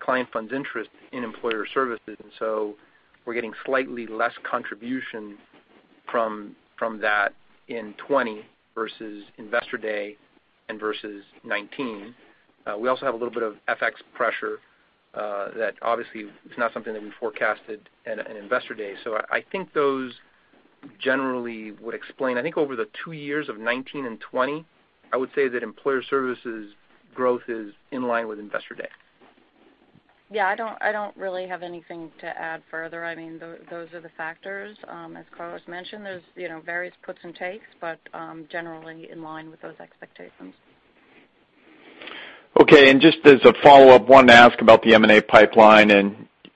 client funds interest in Employer Services, and so we're getting slightly less contribution from that in 2020 versus Investor Day and versus 2019. We also have a little bit of FX pressure that obviously is not something that we forecasted at Investor Day. I think those generally would explain. I think over the two years of 2019 and 2020, I would say that Employer Services growth is in line with Investor Day. Yeah, I don't really have anything to add further. Those are the factors. As Carlos mentioned, there's various puts and takes, but generally in line with those expectations. Okay. Just as a follow-up, wanted to ask about the M&A pipeline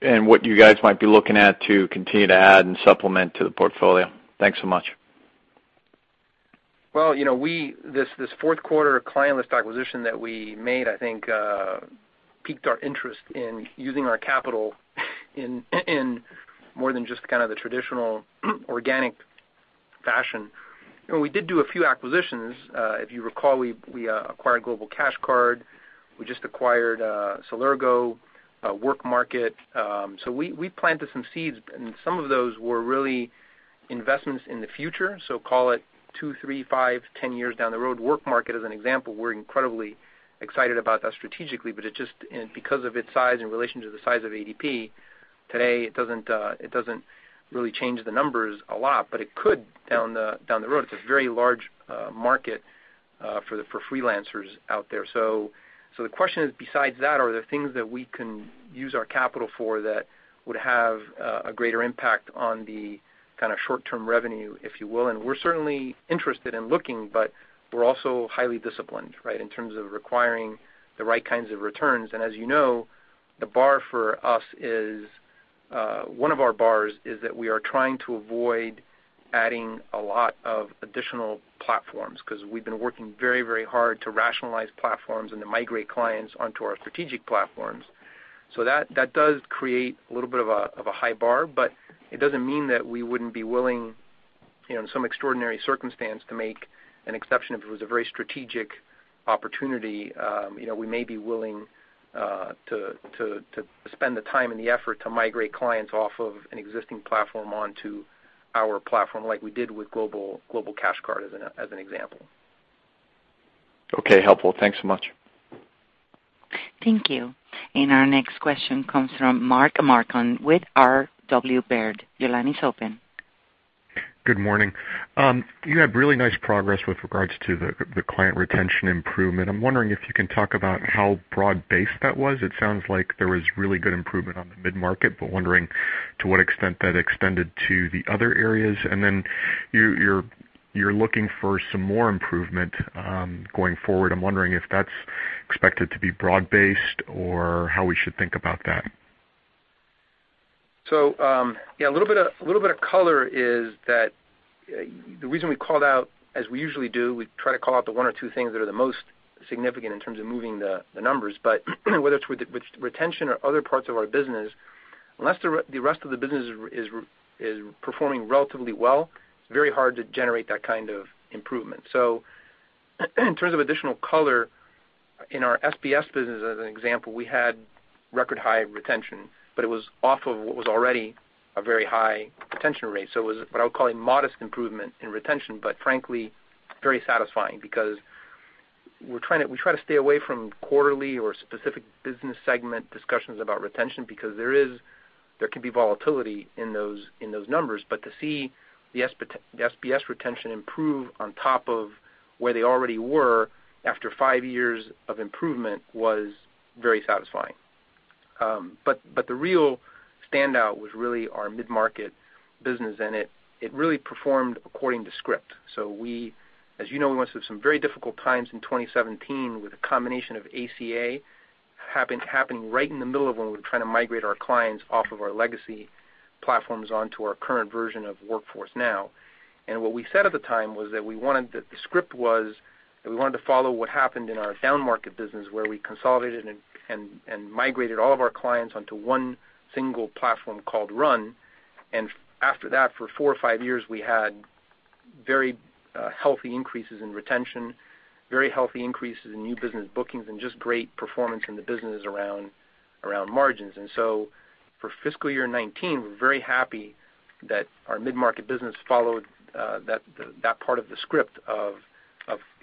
and what you guys might be looking at to continue to add and supplement to the portfolio. Thanks so much. Well, this fourth quarter client list acquisition that we made, I think piqued our interest in using our capital in more than just the traditional organic fashion. We did do a few acquisitions. If you recall, we acquired Global Cash Card. We just acquired Celergo, WorkMarket. We planted some seeds, and some of those were really investments in the future, so call it two, three, five, 10 years down the road. WorkMarket, as an example, we're incredibly excited about that strategically, but because of its size in relation to the size of ADP today, it doesn't really change the numbers a lot, but it could down the road. It's a very large market for freelancers out there. The question is, besides that, are there things that we can use our capital for that would have a greater impact on the short-term revenue, if you will? We're certainly interested in looking, but we're also highly disciplined, right, in terms of requiring the right kinds of returns. As you know, one of our bars is that we are trying to avoid adding a lot of additional platforms because we've been working very hard to rationalize platforms and to migrate clients onto our strategic platforms. That does create a little bit of a high bar, but it doesn't mean that we wouldn't be willing, in some extraordinary circumstance, to make an exception if it was a very strategic opportunity. We may be willing to spend the time and the effort to migrate clients off of an existing platform onto our platform, like we did with Global Cash Card, as an example. Okay, helpful. Thanks so much. Thank you. Our next question comes from Mark Marcon with RW Baird. Your line is open. Good morning. You have really nice progress with regards to the client retention improvement. I'm wondering if you can talk about how broad-based that was. It sounds like there was really good improvement on the mid-market, but wondering to what extent that extended to the other areas. You're looking for some more improvement going forward. I'm wondering if that's expected to be broad-based or how we should think about that. Yeah, a little bit of color is that the reason we called out, as we usually do, we try to call out the one or two things that are the most significant in terms of moving the numbers, but whether it's with retention or other parts of our business, unless the rest of the business is performing relatively well, it's very hard to generate that kind of improvement. In terms of additional color, in our SBS business, as an example, we had record high retention, but it was off of what was already a very high retention rate. It was what I would call a modest improvement in retention, but frankly, very satisfying because we try to stay away from quarterly or specific business segment discussions about retention because there can be volatility in those numbers. To see the SBS retention improve on top of where they already were after five years of improvement was very satisfying. The real standout was really our mid-market business, and it really performed according to script. As you know, we went through some very difficult times in 2017 with a combination of ACA happening right in the middle of when we were trying to migrate our clients off of our legacy platforms onto our current version of Workforce Now. What we said at the time was that the script was that we wanted to follow what happened in our down-market business, where we consolidated and migrated all of our clients onto one single platform called RUN. After that, for four or five years, we had very healthy increases in retention, very healthy increases in new business bookings, and just great performance in the businesses around margins. For fiscal year 2019, we're very happy that our mid-market business followed that part of the script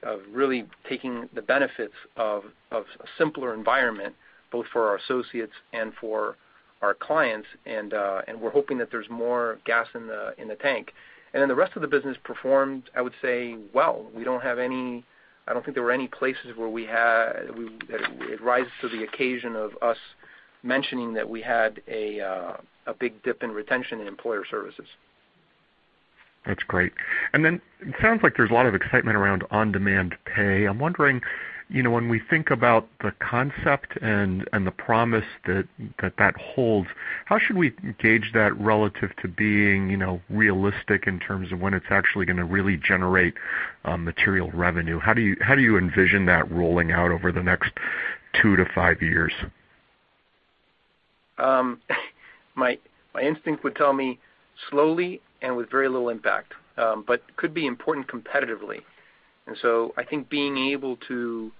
of really taking the benefits of a simpler environment, both for our associates and for our clients. We're hoping that there's more gas in the tank. The rest of the business performed, I would say, well. I don't think there were any places where it rises to the occasion of us mentioning that we had a big dip in retention in Employer Services. That's great. It sounds like there's a lot of excitement around on-demand pay. I'm wondering, when we think about the concept and the promise that that holds, how should we gauge that relative to being realistic in terms of when it's actually going to really generate material revenue? How do you envision that rolling out over the next 2-5 years? My instinct would tell me slowly and with very little impact. Could be important competitively. I think being able to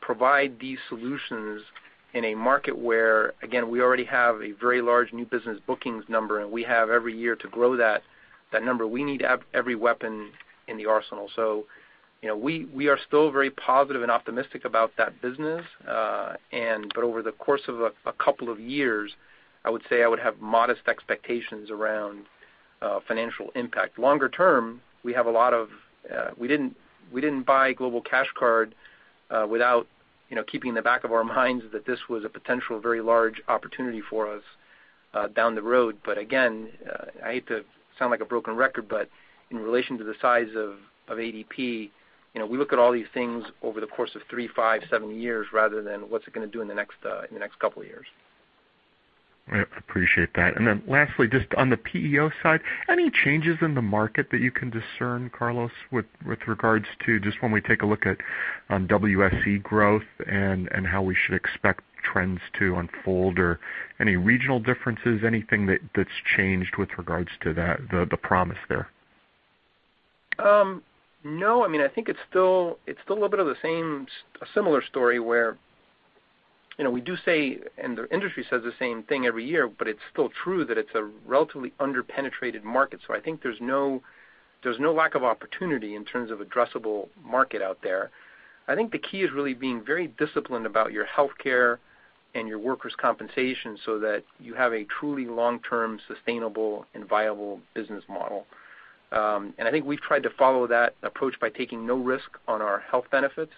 provide these solutions in a market where, again, we already have a very large new business bookings number, and we have every year to grow that number, we need every weapon in the arsenal. We are still very positive and optimistic about that business. Over the course of a couple of years, I would say I would have modest expectations around financial impact. Longer term, we didn't buy Global Cash Card without keeping in the back of our minds that this was a potential very large opportunity for us down the road. Again, I hate to sound like a broken record, but in relation to the size of ADP, we look at all these things over the course of three, five, seven years rather than what's it going to do in the next couple of years. I appreciate that. Then lastly, just on the PEO side, any changes in the market that you can discern, Carlos, with regards to just when we take a look at WSE growth and how we should expect trends to unfold or any regional differences, anything that's changed with regards to the promise there? I think it's still a little bit of the same similar story where we do say, and the industry says the same thing every year, but it's still true that it's a relatively under-penetrated market. I think there's no lack of opportunity in terms of addressable market out there. I think the key is really being very disciplined about your healthcare and your workers' compensation so that you have a truly long-term sustainable and viable business model. I think we've tried to follow that approach by taking no risk on our health benefits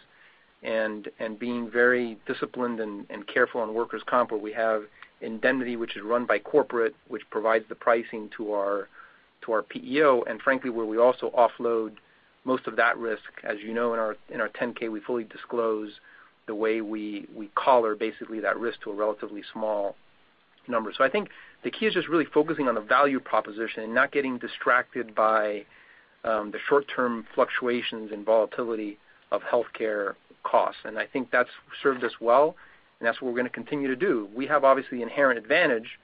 and being very disciplined and careful on workers' comp, where we have Indemnity, which is run by corporate, which provides the pricing to our PEO, and frankly, where we also offload most of that risk. As you know, in our 10-K, we fully disclose the way we cover, basically, that risk to a relatively small number. I think the key is just really focusing on the value proposition and not getting distracted by the short-term fluctuations and volatility of healthcare costs. I think that's served us well, and that's what we're going to continue to do. We have, obviously, inherent advantage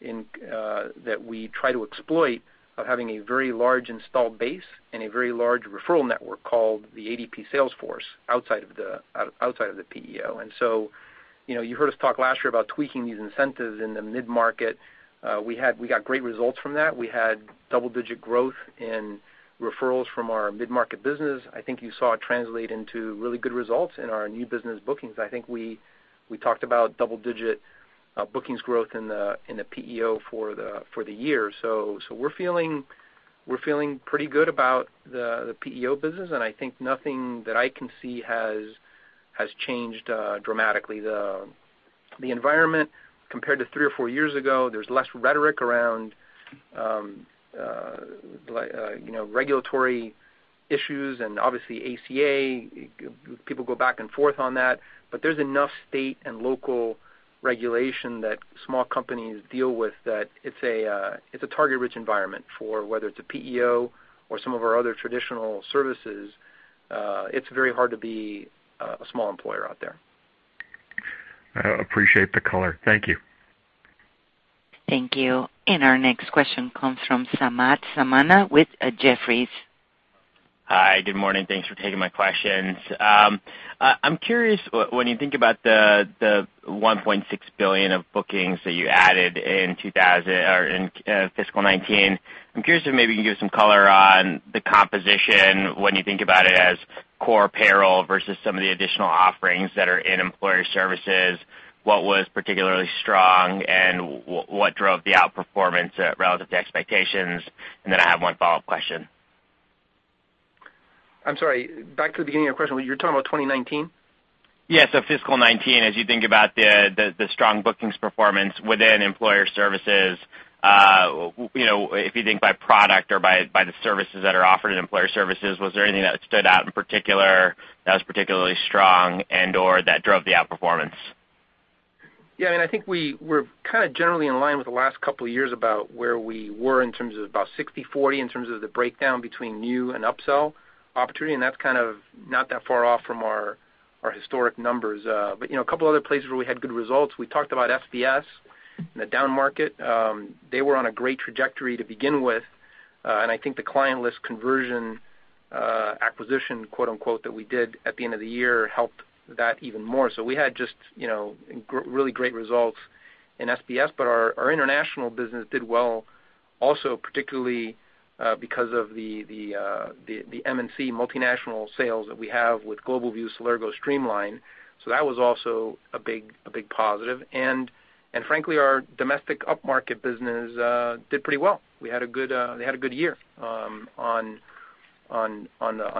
that we try to exploit of having a very large installed base and a very large referral network called the ADP sales force outside of the PEO. You heard us talk last year about tweaking these incentives in the mid-market. We got great results from that. We had double-digit growth in referrals from our mid-market business. I think you saw it translate into really good results in our new business bookings. I think we talked about double-digit bookings growth in the PEO for the year. We're feeling pretty good about the PEO business, and I think nothing that I can see has changed dramatically. The environment, compared to three or four years ago, there's less rhetoric around regulatory issues and obviously ACA. People go back and forth on that. There's enough state and local regulation that small companies deal with that it's a target-rich environment for whether it's a PEO or some of our other traditional services. It's very hard to be a small employer out there. I appreciate the color. Thank you. Thank you. Our next question comes from Samad Samana with Jefferies. Hi, good morning. Thanks for taking my questions. I'm curious, when you think about the $1.6 billion of bookings that you added in fiscal 2019, I'm curious if maybe you can give some color on the composition when you think about it as core payroll versus some of the additional offerings that are in Employer Services, what was particularly strong and what drove the outperformance relative to expectations? I have one follow-up question. I'm sorry, back to the beginning of the question. You're talking about 2019? Yeah. Fiscal 2019, as you think about the strong bookings performance within Employer Services, if you think by product or by the services that are offered in Employer Services, was there anything that stood out in particular that was particularly strong and/or that drove the outperformance? Yeah, I think we're kind of generally in line with the last couple of years about where we were in terms of about 60/40, in terms of the breakdown between new and upsell opportunity, and that's kind of not that far off from our historic numbers. A couple of other places where we had good results, we talked about SBS in the down market. They were on a great trajectory to begin with. I think the client list conversion acquisition, quote, unquote, that we did at the end of the year helped that even more. We had just really great results in SBS, but our international business did well also, particularly because of the MNC multinational sales that we have with GlobalView, Celergo, Streamline. That was also a big positive. Frankly, our domestic upmarket business did pretty well. They had a good year on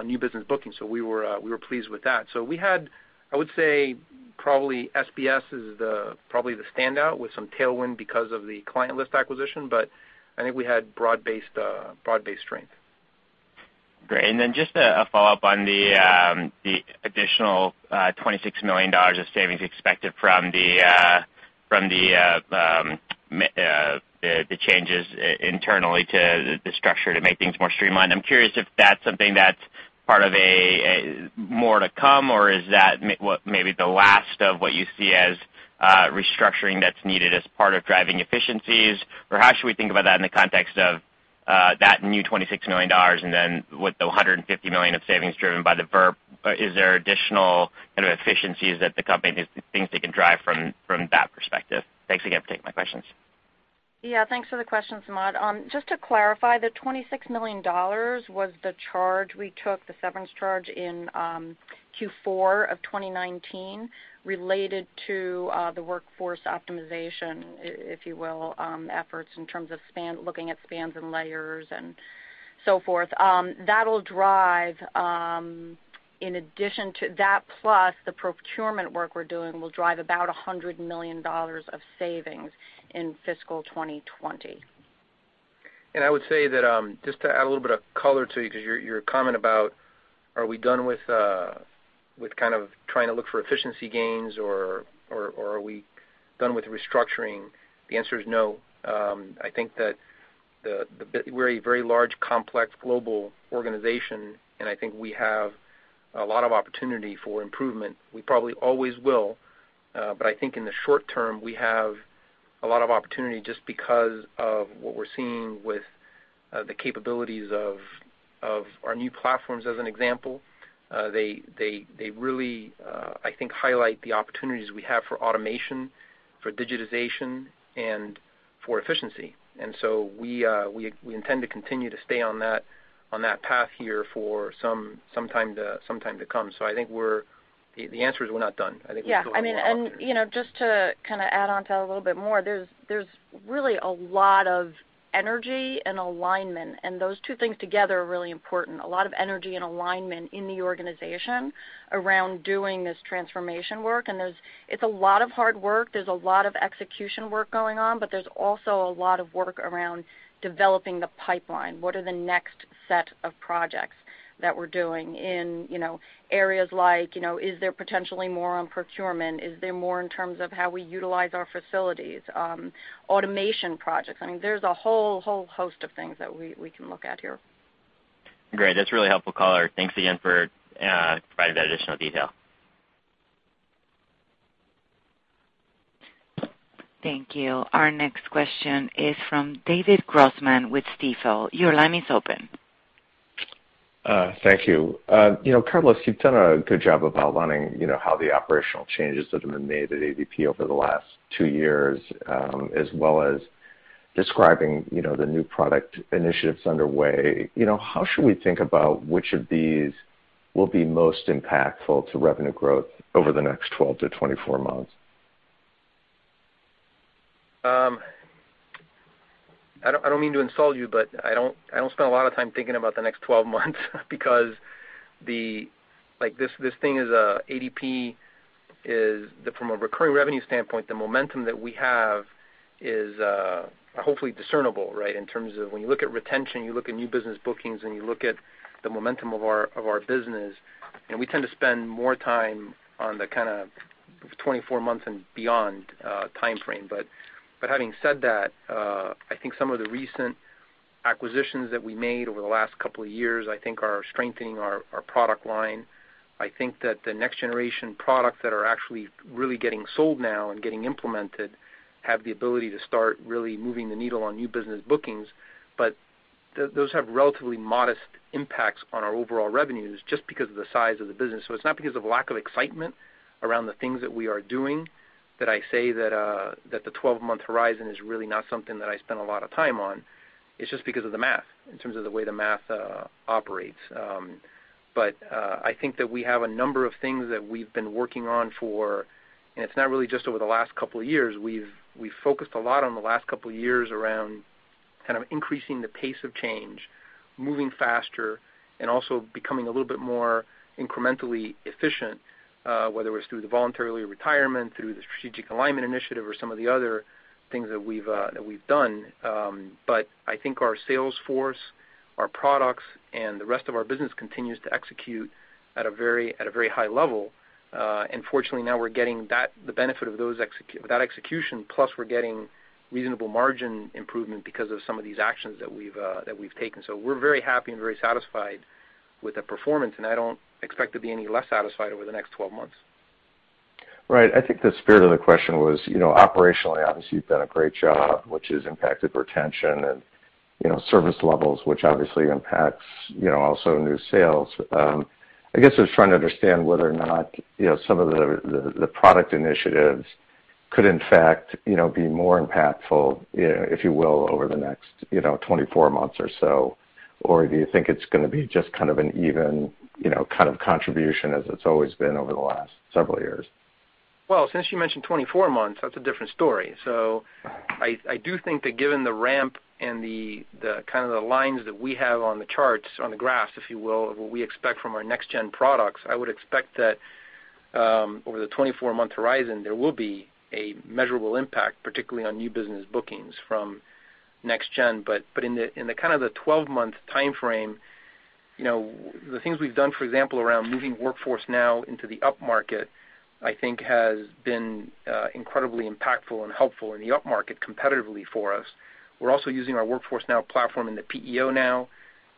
new business bookings, we were pleased with that. We had, I would say, probably SBS is probably the standout with some tailwind because of the client list acquisition, but I think we had broad-based strength. Great. Just a follow-up on the additional $26 million of savings expected from the changes internally to the structure to make things more streamlined. I'm curious if that's something that's part of more to come, or is that maybe the last of what you see as restructuring that's needed as part of driving efficiencies? How should we think about that in the context of that new $26 million and with the $150 million of savings driven by the VERP, is there additional kind of efficiencies that the company thinks they can drive from that perspective? Thanks again for taking my questions. Yeah, thanks for the question, Samad. Just to clarify, the $26 million was the charge we took, the severance charge in Q4 of 2019, related to the workforce optimization, if you will, efforts in terms of looking at spans and layers and so forth. That, plus the procurement work we're doing, will drive about $100 million of savings in fiscal 2020. I would say that, just to add a little bit of color to your comment about are we done with kind of trying to look for efficiency gains or are we done with restructuring? The answer is no. I think that we're a very large, complex global organization, and I think we have a lot of opportunity for improvement. We probably always will, but I think in the short term, we have a lot of opportunity just because of what we're seeing with the capabilities of our new platforms, as an example. They really, I think, highlight the opportunities we have for automation, for digitization, and for efficiency. We intend to continue to stay on that path here for some time to come. I think the answer is we're not done. I think we still have more opportunity. Yeah. Just to add onto that a little bit more, there's really a lot of energy and alignment, and those two things together are really important. A lot of energy and alignment in the organization around doing this transformation work. It's a lot of hard work. There's a lot of execution work going on, but there's also a lot of work around developing the pipeline. What are the next set of projects that we're doing in areas like, is there potentially more on procurement? Is there more in terms of how we utilize our facilities, automation projects? There's a whole host of things that we can look at here. Great. That's really helpful, Carlos. Thanks again for providing that additional detail. Thank you. Our next question is from David Grossman with Stifel. Your line is open. Thank you. Carlos, you've done a good job outlining how the operational changes that have been made at ADP over the last two years, as well as describing the new product initiatives underway. How should we think about which of these will be most impactful to revenue growth over the next 12 to 24 months? I don't mean to insult you, but I don't spend a lot of time thinking about the next 12 months because ADP, from a recurring revenue standpoint, the momentum that we have is hopefully discernible, right? In terms of when you look at retention, you look at new business bookings, and you look at the momentum of our business, and we tend to spend more time on the kind of 24 months and beyond timeframe. Having said that, I think some of the recent acquisitions that we made over the last couple of years, I think, are strengthening our product line. I think that the next-generation products that are actually really getting sold now and getting implemented have the ability to start really moving the needle on new business bookings. Those have relatively modest impacts on our overall revenues just because of the size of the business. It's not because of lack of excitement around the things that we are doing that I say that the 12-month horizon is really not something that I spend a lot of time on. It's just because of the math, in terms of the way the math operates. I think that we have a number of things that we've been working on, and it's not really just over the last couple of years. We've focused a lot on the last couple of years around increasing the pace of change, moving faster, and also becoming a little bit more incrementally efficient, whether it was through the voluntary retirement, through the strategic alignment initiative, or some of the other things that we've done. I think our sales force, our products, and the rest of our business continues to execute at a very high level. Fortunately, now we're getting the benefit of that execution, plus we're getting reasonable margin improvement because of some of these actions that we've taken. We're very happy and very satisfied with the performance, and I don't expect to be any less satisfied over the next 12 months. Right. I think the spirit of the question was, operationally, obviously, you've done a great job, which has impacted retention and service levels, which obviously impacts also new sales. I guess I was trying to understand whether or not some of the product initiatives could in fact be more impactful, if you will, over the next 24 months or so. Do you think it's going to be just an even contribution as it's always been over the last several years? Since you mentioned 24 months, that's a different story. I do think that given the ramp and the lines that we have on the charts, on the graphs, if you will, of what we expect from our next-gen products, I would expect that over the 24-month horizon, there will be a measurable impact, particularly on new business bookings from next gen. In the 12-month timeframe, the things we've done, for example, around moving Workforce Now into the upmarket, I think has been incredibly impactful and helpful in the upmarket competitively for us. We're also using our Workforce Now platform in the PEO now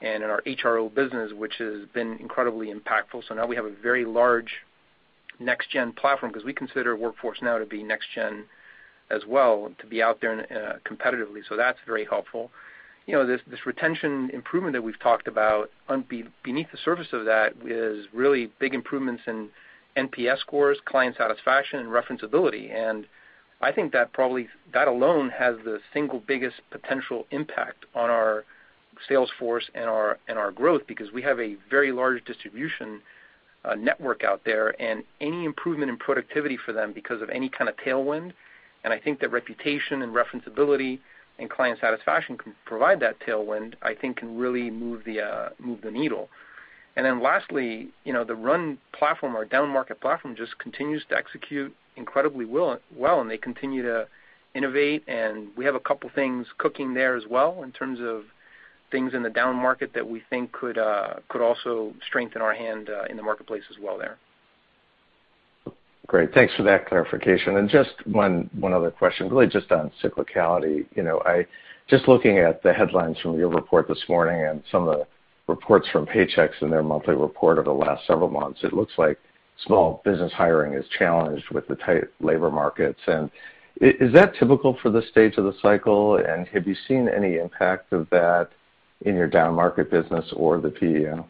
and in our HRO business, which has been incredibly impactful. Now we have a very large next-gen platform because we consider Workforce Now to be next gen as well, to be out there competitively. That's very helpful. This retention improvement that we've talked about, beneath the surface of that is really big improvements in NPS scores, client satisfaction, and referenceability. I think that alone has the single biggest potential impact on our sales force and our growth because we have a very large distribution network out there, and any improvement in productivity for them because of any kind of tailwind, and I think that reputation and referenceability and client satisfaction can provide that tailwind, I think can really move the needle. Then lastly, the RUN platform, our downmarket platform, just continues to execute incredibly well, and they continue to innovate, and we have a couple things cooking there as well in terms of things in the downmarket that we think could also strengthen our hand in the marketplace as well there. Great. Thanks for that clarification. Just one other question, really just on cyclicality. Just looking at the headlines from your report this morning and some of the reports from Paychex and their monthly report over the last several months, it looks like small business hiring is challenged with the tight labor markets. Is that typical for the stage of the cycle? Have you seen any impact of that in your downmarket business or the PEO?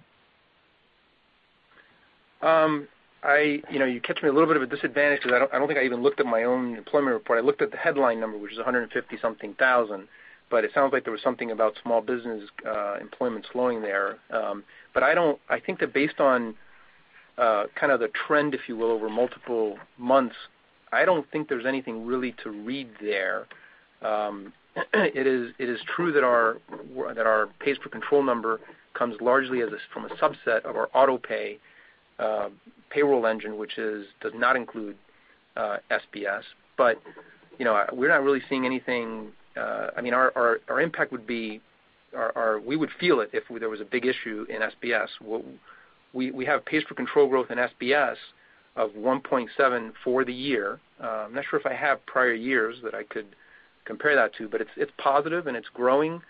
You catch me a little bit of a disadvantage because I don't think I even looked at my own employment report. I looked at the headline number, which is 150 something thousand, it sounds like there was something about small business employment slowing there. I think that based on the trend, if you will, over multiple months, I don't think there's anything really to read there. It is true that our pays for control number comes largely from a subset of our auto pay payroll engine, which does not include SBS. We're not really seeing anything. Our impact would be, we would feel it if there was a big issue in SBS. We have pays for control growth in SBS of 1.7% for the year. I'm not sure if I have prior years that I could compare that to, it's positive and it's growing.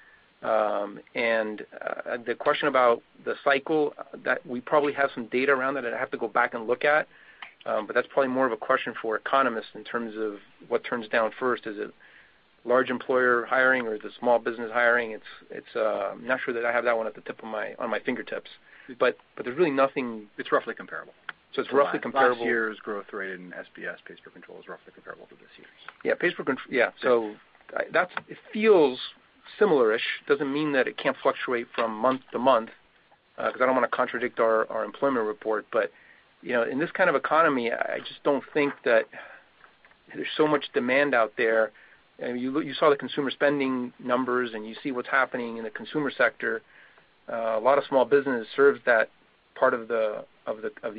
The question about the cycle, we probably have some data around that I'd have to go back and look at. That's probably more of a question for economists in terms of what turns down first. Is it large employer hiring or is it small business hiring? I'm not sure that I have that one at the tip of my fingertips. It's roughly comparable. It's roughly comparable. Last year's growth rate in SBS pays for control is roughly comparable to this year's. Yeah. It feels similar-ish. Doesn't mean that it can't fluctuate from month to month, because I don't want to contradict our employment report. In this kind of economy, I just don't think that there's so much demand out there. You saw the consumer spending numbers, and you see what's happening in the consumer sector. A lot of small business serves that part of the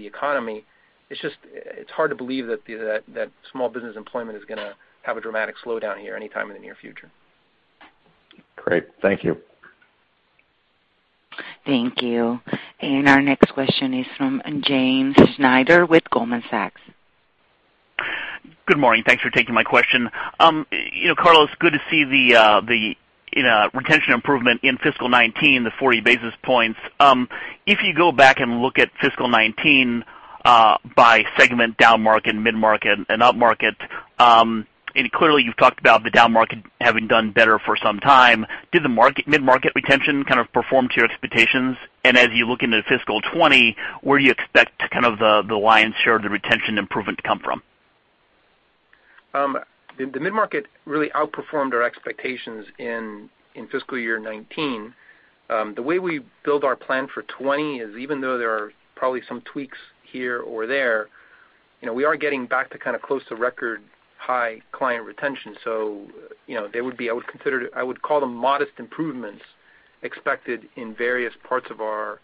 economy. It's hard to believe that small business employment is going to have a dramatic slowdown here anytime in the near future. Great. Thank you. Thank you. Our next question is from James Schneider with Goldman Sachs. Good morning. Thanks for taking my question. Carlos, good to see the retention improvement in fiscal 2019, the 40 basis points. If you go back and look at fiscal 2019 by segment, downmarket, midmarket, and upmarket. Clearly you've talked about the downmarket having done better for some time. Did the midmarket retention kind of perform to your expectations? As you look into fiscal 2020, where do you expect the lion's share of the retention improvement to come from? The midmarket really outperformed our expectations in fiscal year 2019. The way we build our plan for 2020 is, even though there are probably some tweaks here or there, we are getting back to close to record high client retention. I would call them modest improvements expected in various parts of our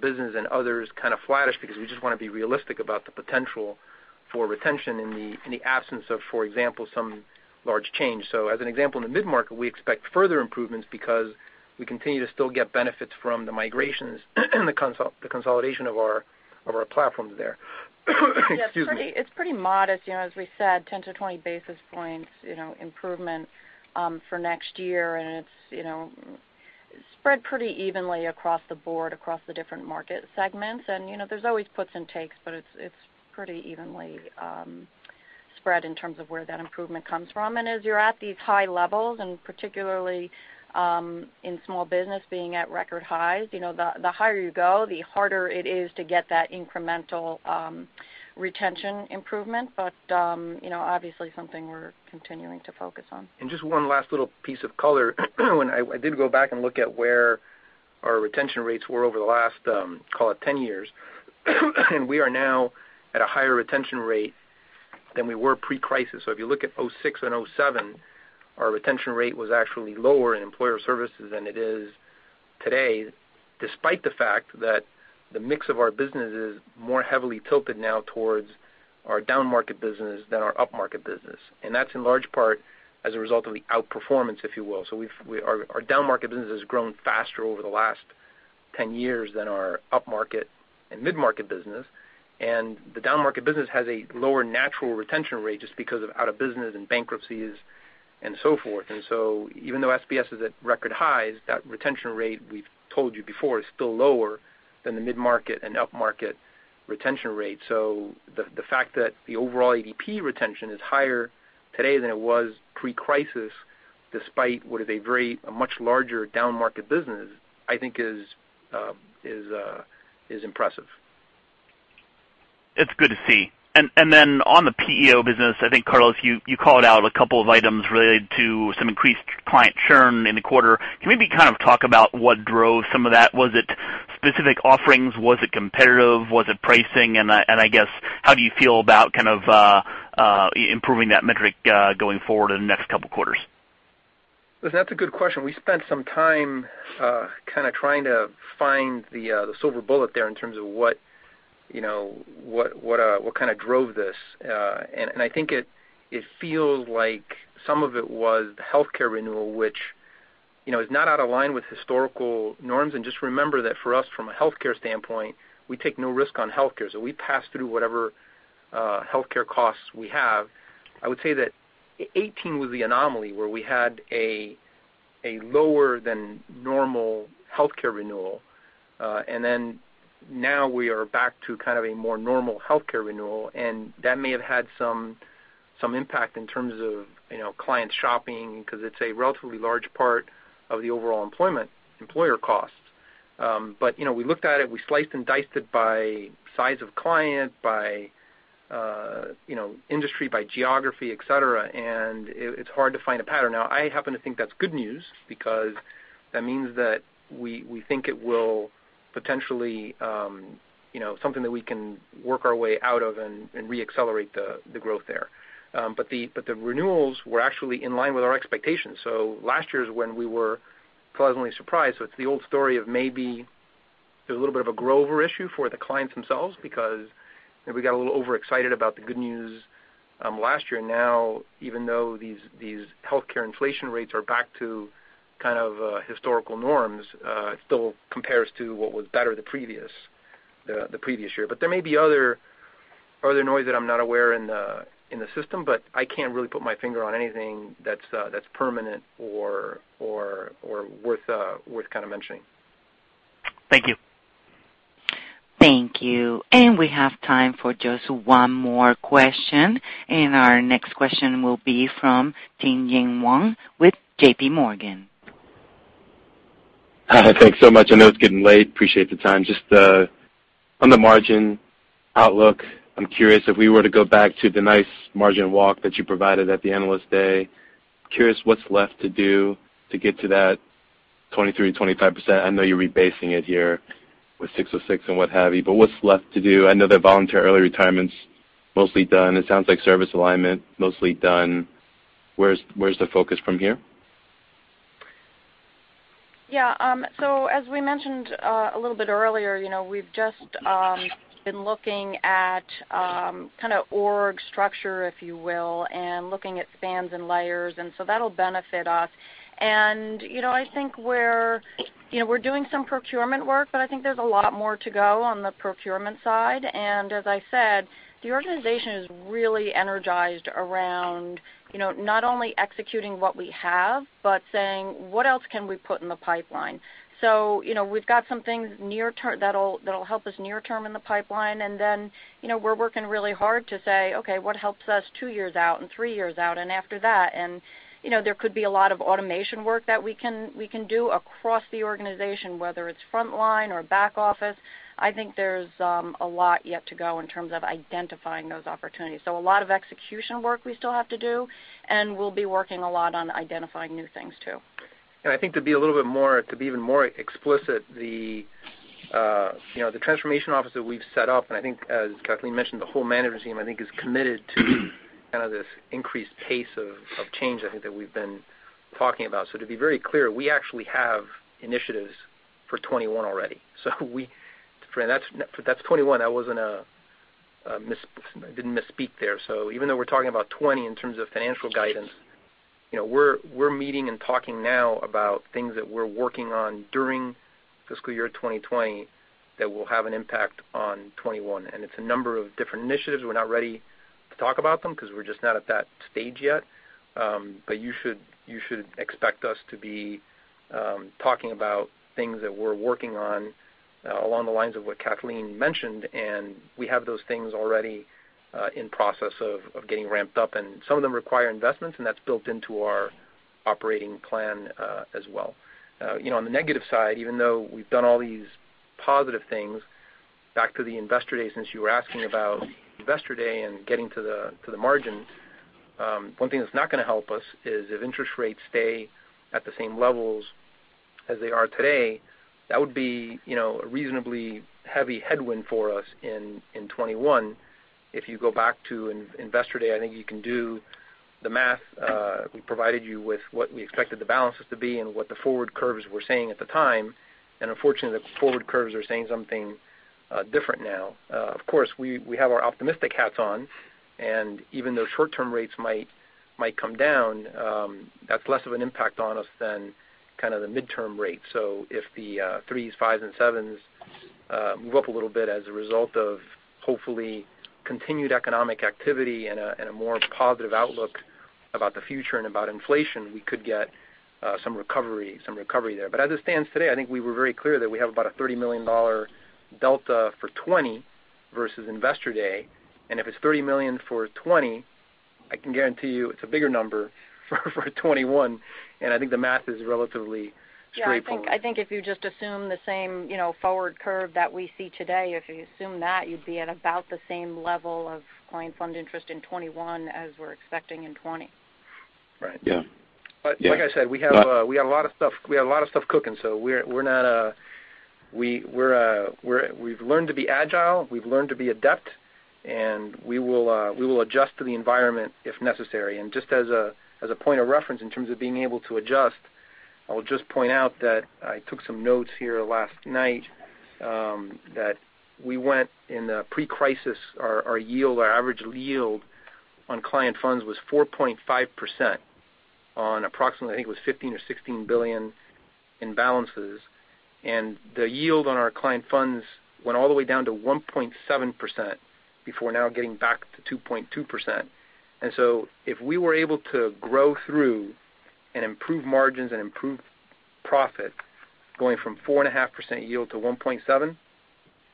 business and others kind of flattish because we just want to be realistic about the potential for retention in the absence of, for example, some large change. As an example, in the midmarket, we expect further improvements because we continue to still get benefits from the migrations and the consolidation of our platforms there. Excuse me. It's pretty modest. As we said, 10-20 basis points improvement for next year, it's spread pretty evenly across the board, across the different market segments. There's always puts and takes, but it's pretty evenly spread in terms of where that improvement comes from. As you're at these high levels, and particularly in small business being at record highs, the higher you go, the harder it is to get that incremental retention improvement. Obviously something we're continuing to focus on. Just one last little piece of color. I did go back and look at where our retention rates were over the last, call it 10 years. We are now at a higher retention rate than we were pre-crisis. If you look at 2006 and 2007, our retention rate was actually lower in Employer Services than it is today, despite the fact that the mix of our business is more heavily tilted now towards our downmarket business than our upmarket business. That's in large part as a result of the outperformance, if you will. Our downmarket business has grown faster over the last 10 years than our upmarket and midmarket business. The downmarket business has a lower natural retention rate just because of out of business and bankruptcies and so forth. Even though SBS is at record highs, that retention rate we've told you before is still lower than the midmarket and upmarket retention rate. The fact that the overall ADP retention is higher today than it was pre-crisis, despite what is a much larger downmarket business, I think is impressive. It's good to see. On the PEO business, I think, Carlos, you called out a couple of items related to some increased client churn in the quarter. Can you maybe talk about what drove some of that? Was it specific offerings? Was it competitive? Was it pricing? I guess, how do you feel about improving that metric going forward in the next couple of quarters? That's a good question. We spent some time trying to find the silver bullet there in terms of what drove this. I think it feels like some of it was the healthcare renewal, which is not out of line with historical norms. Just remember that for us, from a healthcare standpoint, we take no risk on healthcare. We pass through whatever healthcare costs we have. I would say that 2018 was the anomaly where we had a lower than normal healthcare renewal. Then now we are back to kind of a more normal healthcare renewal, and that may have had some impact in terms of client shopping, because it's a relatively large part of the overall employment employer costs. We looked at it, we sliced and diced it by size of client, by industry, by geography, et cetera, and it's hard to find a pattern. I happen to think that's good news because that means that we think it will potentially, something that we can work our way out of and re-accelerate the growth there. The renewals were actually in line with our expectations. Last year's when we were pleasantly surprised. It's the old story of maybe there's a little bit of a grow-over issue for the clients themselves because maybe we got a little overexcited about the good news last year. Even though these healthcare inflation rates are back to kind of historical norms, it still compares to what was better the previous year. There may be other noise that I'm not aware in the system, but I can't really put my finger on anything that's permanent or worth kind of mentioning. Thank you. Thank you. We have time for just one more question. Our next question will be from Tien-Tsin Huang with J.P. Morgan. Thanks so much. I know it's getting late. Appreciate the time. Just on the margin outlook, I'm curious if we were to go back to the nice margin walk that you provided at the Analyst Day, curious what's left to do to get to that 23%-25%? I know you're rebasing it here with 606 and what have you, but what's left to do? I know that voluntary early retirement's mostly done. It sounds like service alignment, mostly done. Where's the focus from here? Yeah. As we mentioned a little bit earlier, we've just been looking at kind of org structure, if you will, and looking at spans and layers, and that'll benefit us. I think we're doing some procurement work, but I think there's a lot more to go on the procurement side. As I said, the organization is really energized around, not only executing what we have, but saying, "What else can we put in the pipeline?" We've got some things that'll help us near term in the pipeline, and then we're working really hard to say, "Okay, what helps us two years out and three years out and after that?" There could be a lot of automation work that we can do across the organization, whether it's frontline or back office. I think there's a lot yet to go in terms of identifying those opportunities. A lot of execution work we still have to do, and we'll be working a lot on identifying new things, too. I think to be a little bit more, to be even more explicit, the transformation office that we've set up, and I think, as Kathleen mentioned, the whole management team, I think is committed to kind of this increased pace of change I think that we've been talking about. To be very clear, we actually have initiatives for FY 2021 already. That's FY 2021. I didn't misspeak there. Even though we're talking about FY 2020 in terms of financial guidance, we're meeting and talking now about things that we're working on during fiscal year 2020 that will have an impact on FY 2021, and it's a number of different initiatives. We're not ready to talk about them because we're just not at that stage yet. You should expect us to be talking about things that we're working on along the lines of what Kathleen mentioned, and we have those things already in process of getting ramped up. Some of them require investments, and that's built into our operating plan as well. On the negative side, even though we've done all these positive things, back to the Investor Day, since you were asking about Investor Day and getting to the margins, one thing that's not going to help us is if interest rates stay at the same levels as they are today. That would be a reasonably heavy headwind for us in 2021. If you go back to Investor Day, I think you can do the math. We provided you with what we expected the balances to be and what the forward curves were saying at the time. Unfortunately, the forward curves are saying something different now. Of course, we have our optimistic hats on, and even though short-term rates might come down, that's less of an impact on us than kind of the midterm rate. If the threes, fives, and sevens move up a little bit as a result of hopefully continued economic activity and a more positive outlook about the future and about inflation, we could get some recovery there. As it stands today, I think we were very clear that we have about a $30 million delta for 2020 versus Investor Day. If it's $30 million for 2020, I can guarantee you it's a bigger number for 2021, and I think the math is relatively straightforward. Yeah, I think if you just assume the same forward curve that we see today, if you assume that, you'd be at about the same level of client fund interest in 2021 as we're expecting in 2020. Right. Yeah. Like I said, we have a lot of stuff cooking, so we've learned to be agile, we've learned to be adept, and we will adjust to the environment if necessary. Just as a point of reference in terms of being able to adjust, I'll just point out that I took some notes here last night, that we went in the pre-crisis, our average yield on client funds was 4.5% on approximately, I think it was $15 billion or $16 billion in balances. The yield on our client funds went all the way down to 1.7% before now getting back to 2.2%. If we were able to grow through and improve margins and improve profit going from 4.5% yield to 1.7%,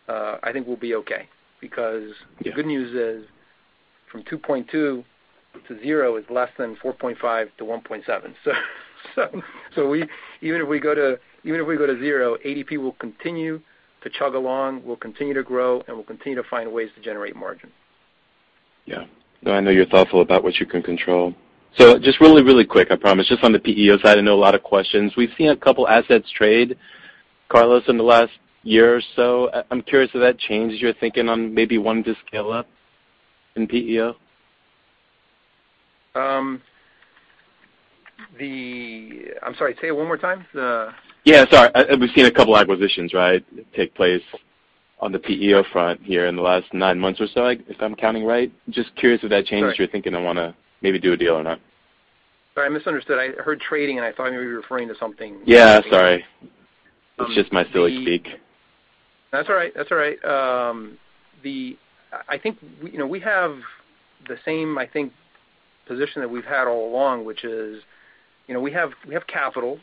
I think we'll be okay, because the good news is from 2.2% to 0% is less than 4.5% to 1.7%. Even if we go to zero, ADP will continue to chug along, we'll continue to grow, and we'll continue to find ways to generate margin. Yeah. No, I know you're thoughtful about what you can control. Just really, really quick, I promise, just on the PEO side, I know a lot of questions. We've seen two assets trade, Carlos, in the last year or so. I'm curious if that changed your thinking on maybe wanting to scale up in PEO. I'm sorry, say it one more time? Yeah, sorry. We've seen a couple acquisitions, right, take place on the PEO front here in the last nine months or so, if I'm counting right. Just curious if that changed your thinking on wanting to maybe do a deal or not? Sorry, I misunderstood. I heard trading, and I thought maybe you were referring to something. Yeah, sorry. It's just my silly speak. That's all right. We have the same, I think, position that we've had all along, which is, we have capital.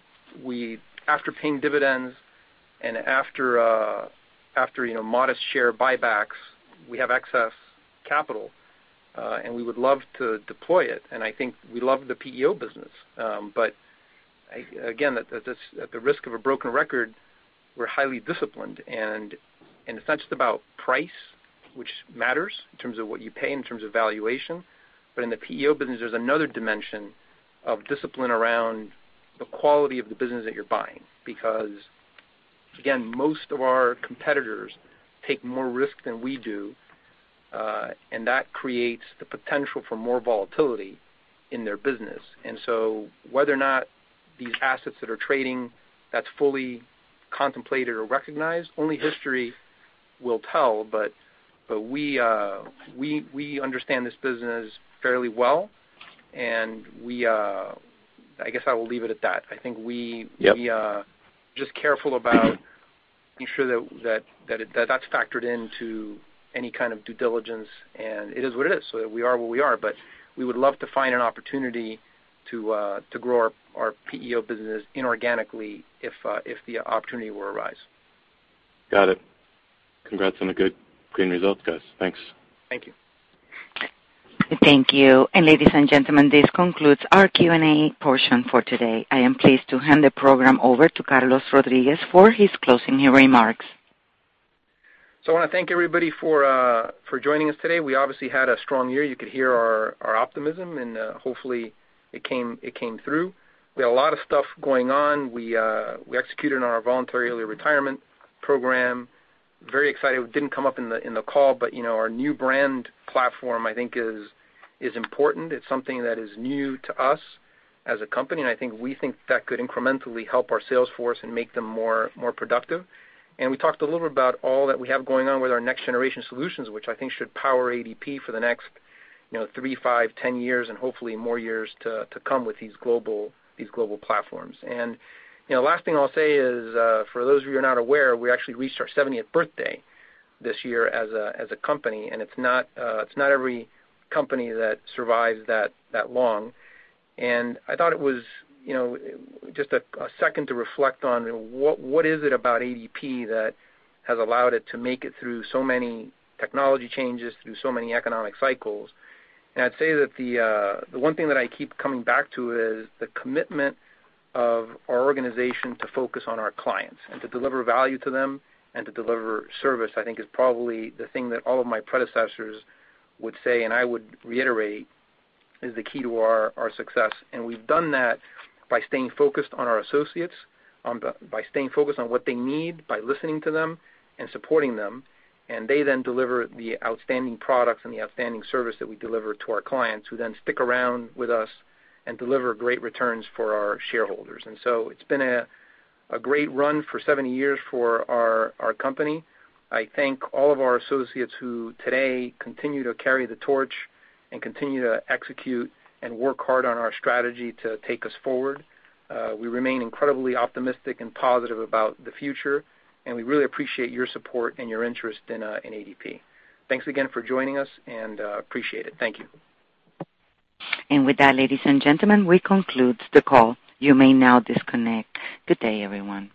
After paying dividends and after modest share buybacks, we have excess capital. We would love to deploy it, and I think we love the PEO business. Again, at the risk of a broken record, we're highly disciplined, and it's not just about price, which matters in terms of what you pay, in terms of valuation. In the PEO business, there's another dimension of discipline around the quality of the business that you're buying. Again, most of our competitors take more risk than we do, and that creates the potential for more volatility in their business. Whether or not these assets that are trading, that's fully contemplated or recognized, only history will tell. We understand this business fairly well, and I guess I will leave it at that. Yep just careful about making sure that that's factored into any kind of due diligence, and it is what it is, so we are what we are. We would love to find an opportunity to grow our PEO business inorganically if the opportunity were to arise. Got it. Congrats on the good green results, guys. Thanks. Thank you. Thank you. Ladies and gentlemen, this concludes our Q&A portion for today. I am pleased to hand the program over to Carlos Rodriguez for his closing remarks. I want to thank everybody for joining us today. We obviously had a strong year. You could hear our optimism, and hopefully it came through. We had a lot of stuff going on. We executed on our Voluntary Early Retirement Program. Very excited. It didn't come up in the call, but our new brand platform I think is important. It's something that is new to us as a company, and I think we think that could incrementally help our sales force and make them more productive. We talked a little bit about all that we have going on with our next-generation solutions, which I think should power ADP for the next three, five, 10 years and hopefully more years to come with these global platforms. Last thing I'll say is, for those of you who are not aware, we actually reached our 70th birthday this year as a company, and it's not every company that survives that long. I thought it was just a second to reflect on what is it about ADP that has allowed it to make it through so many technology changes, through so many economic cycles. I'd say that the one thing that I keep coming back to is the commitment of our organization to focus on our clients and to deliver value to them and to deliver service, I think is probably the thing that all of my predecessors would say, and I would reiterate, is the key to our success. We've done that by staying focused on our associates, by staying focused on what they need, by listening to them and supporting them, and they then deliver the outstanding products and the outstanding service that we deliver to our clients, who then stick around with us and deliver great returns for our shareholders. It's been a great run for 70 years for our company. I thank all of our associates who today continue to carry the torch and continue to execute and work hard on our strategy to take us forward. We remain incredibly optimistic and positive about the future, and we really appreciate your support and your interest in ADP. Thanks again for joining us, and appreciate it. Thank you. With that, ladies and gentlemen, we conclude the call. You may now disconnect. Good day, everyone.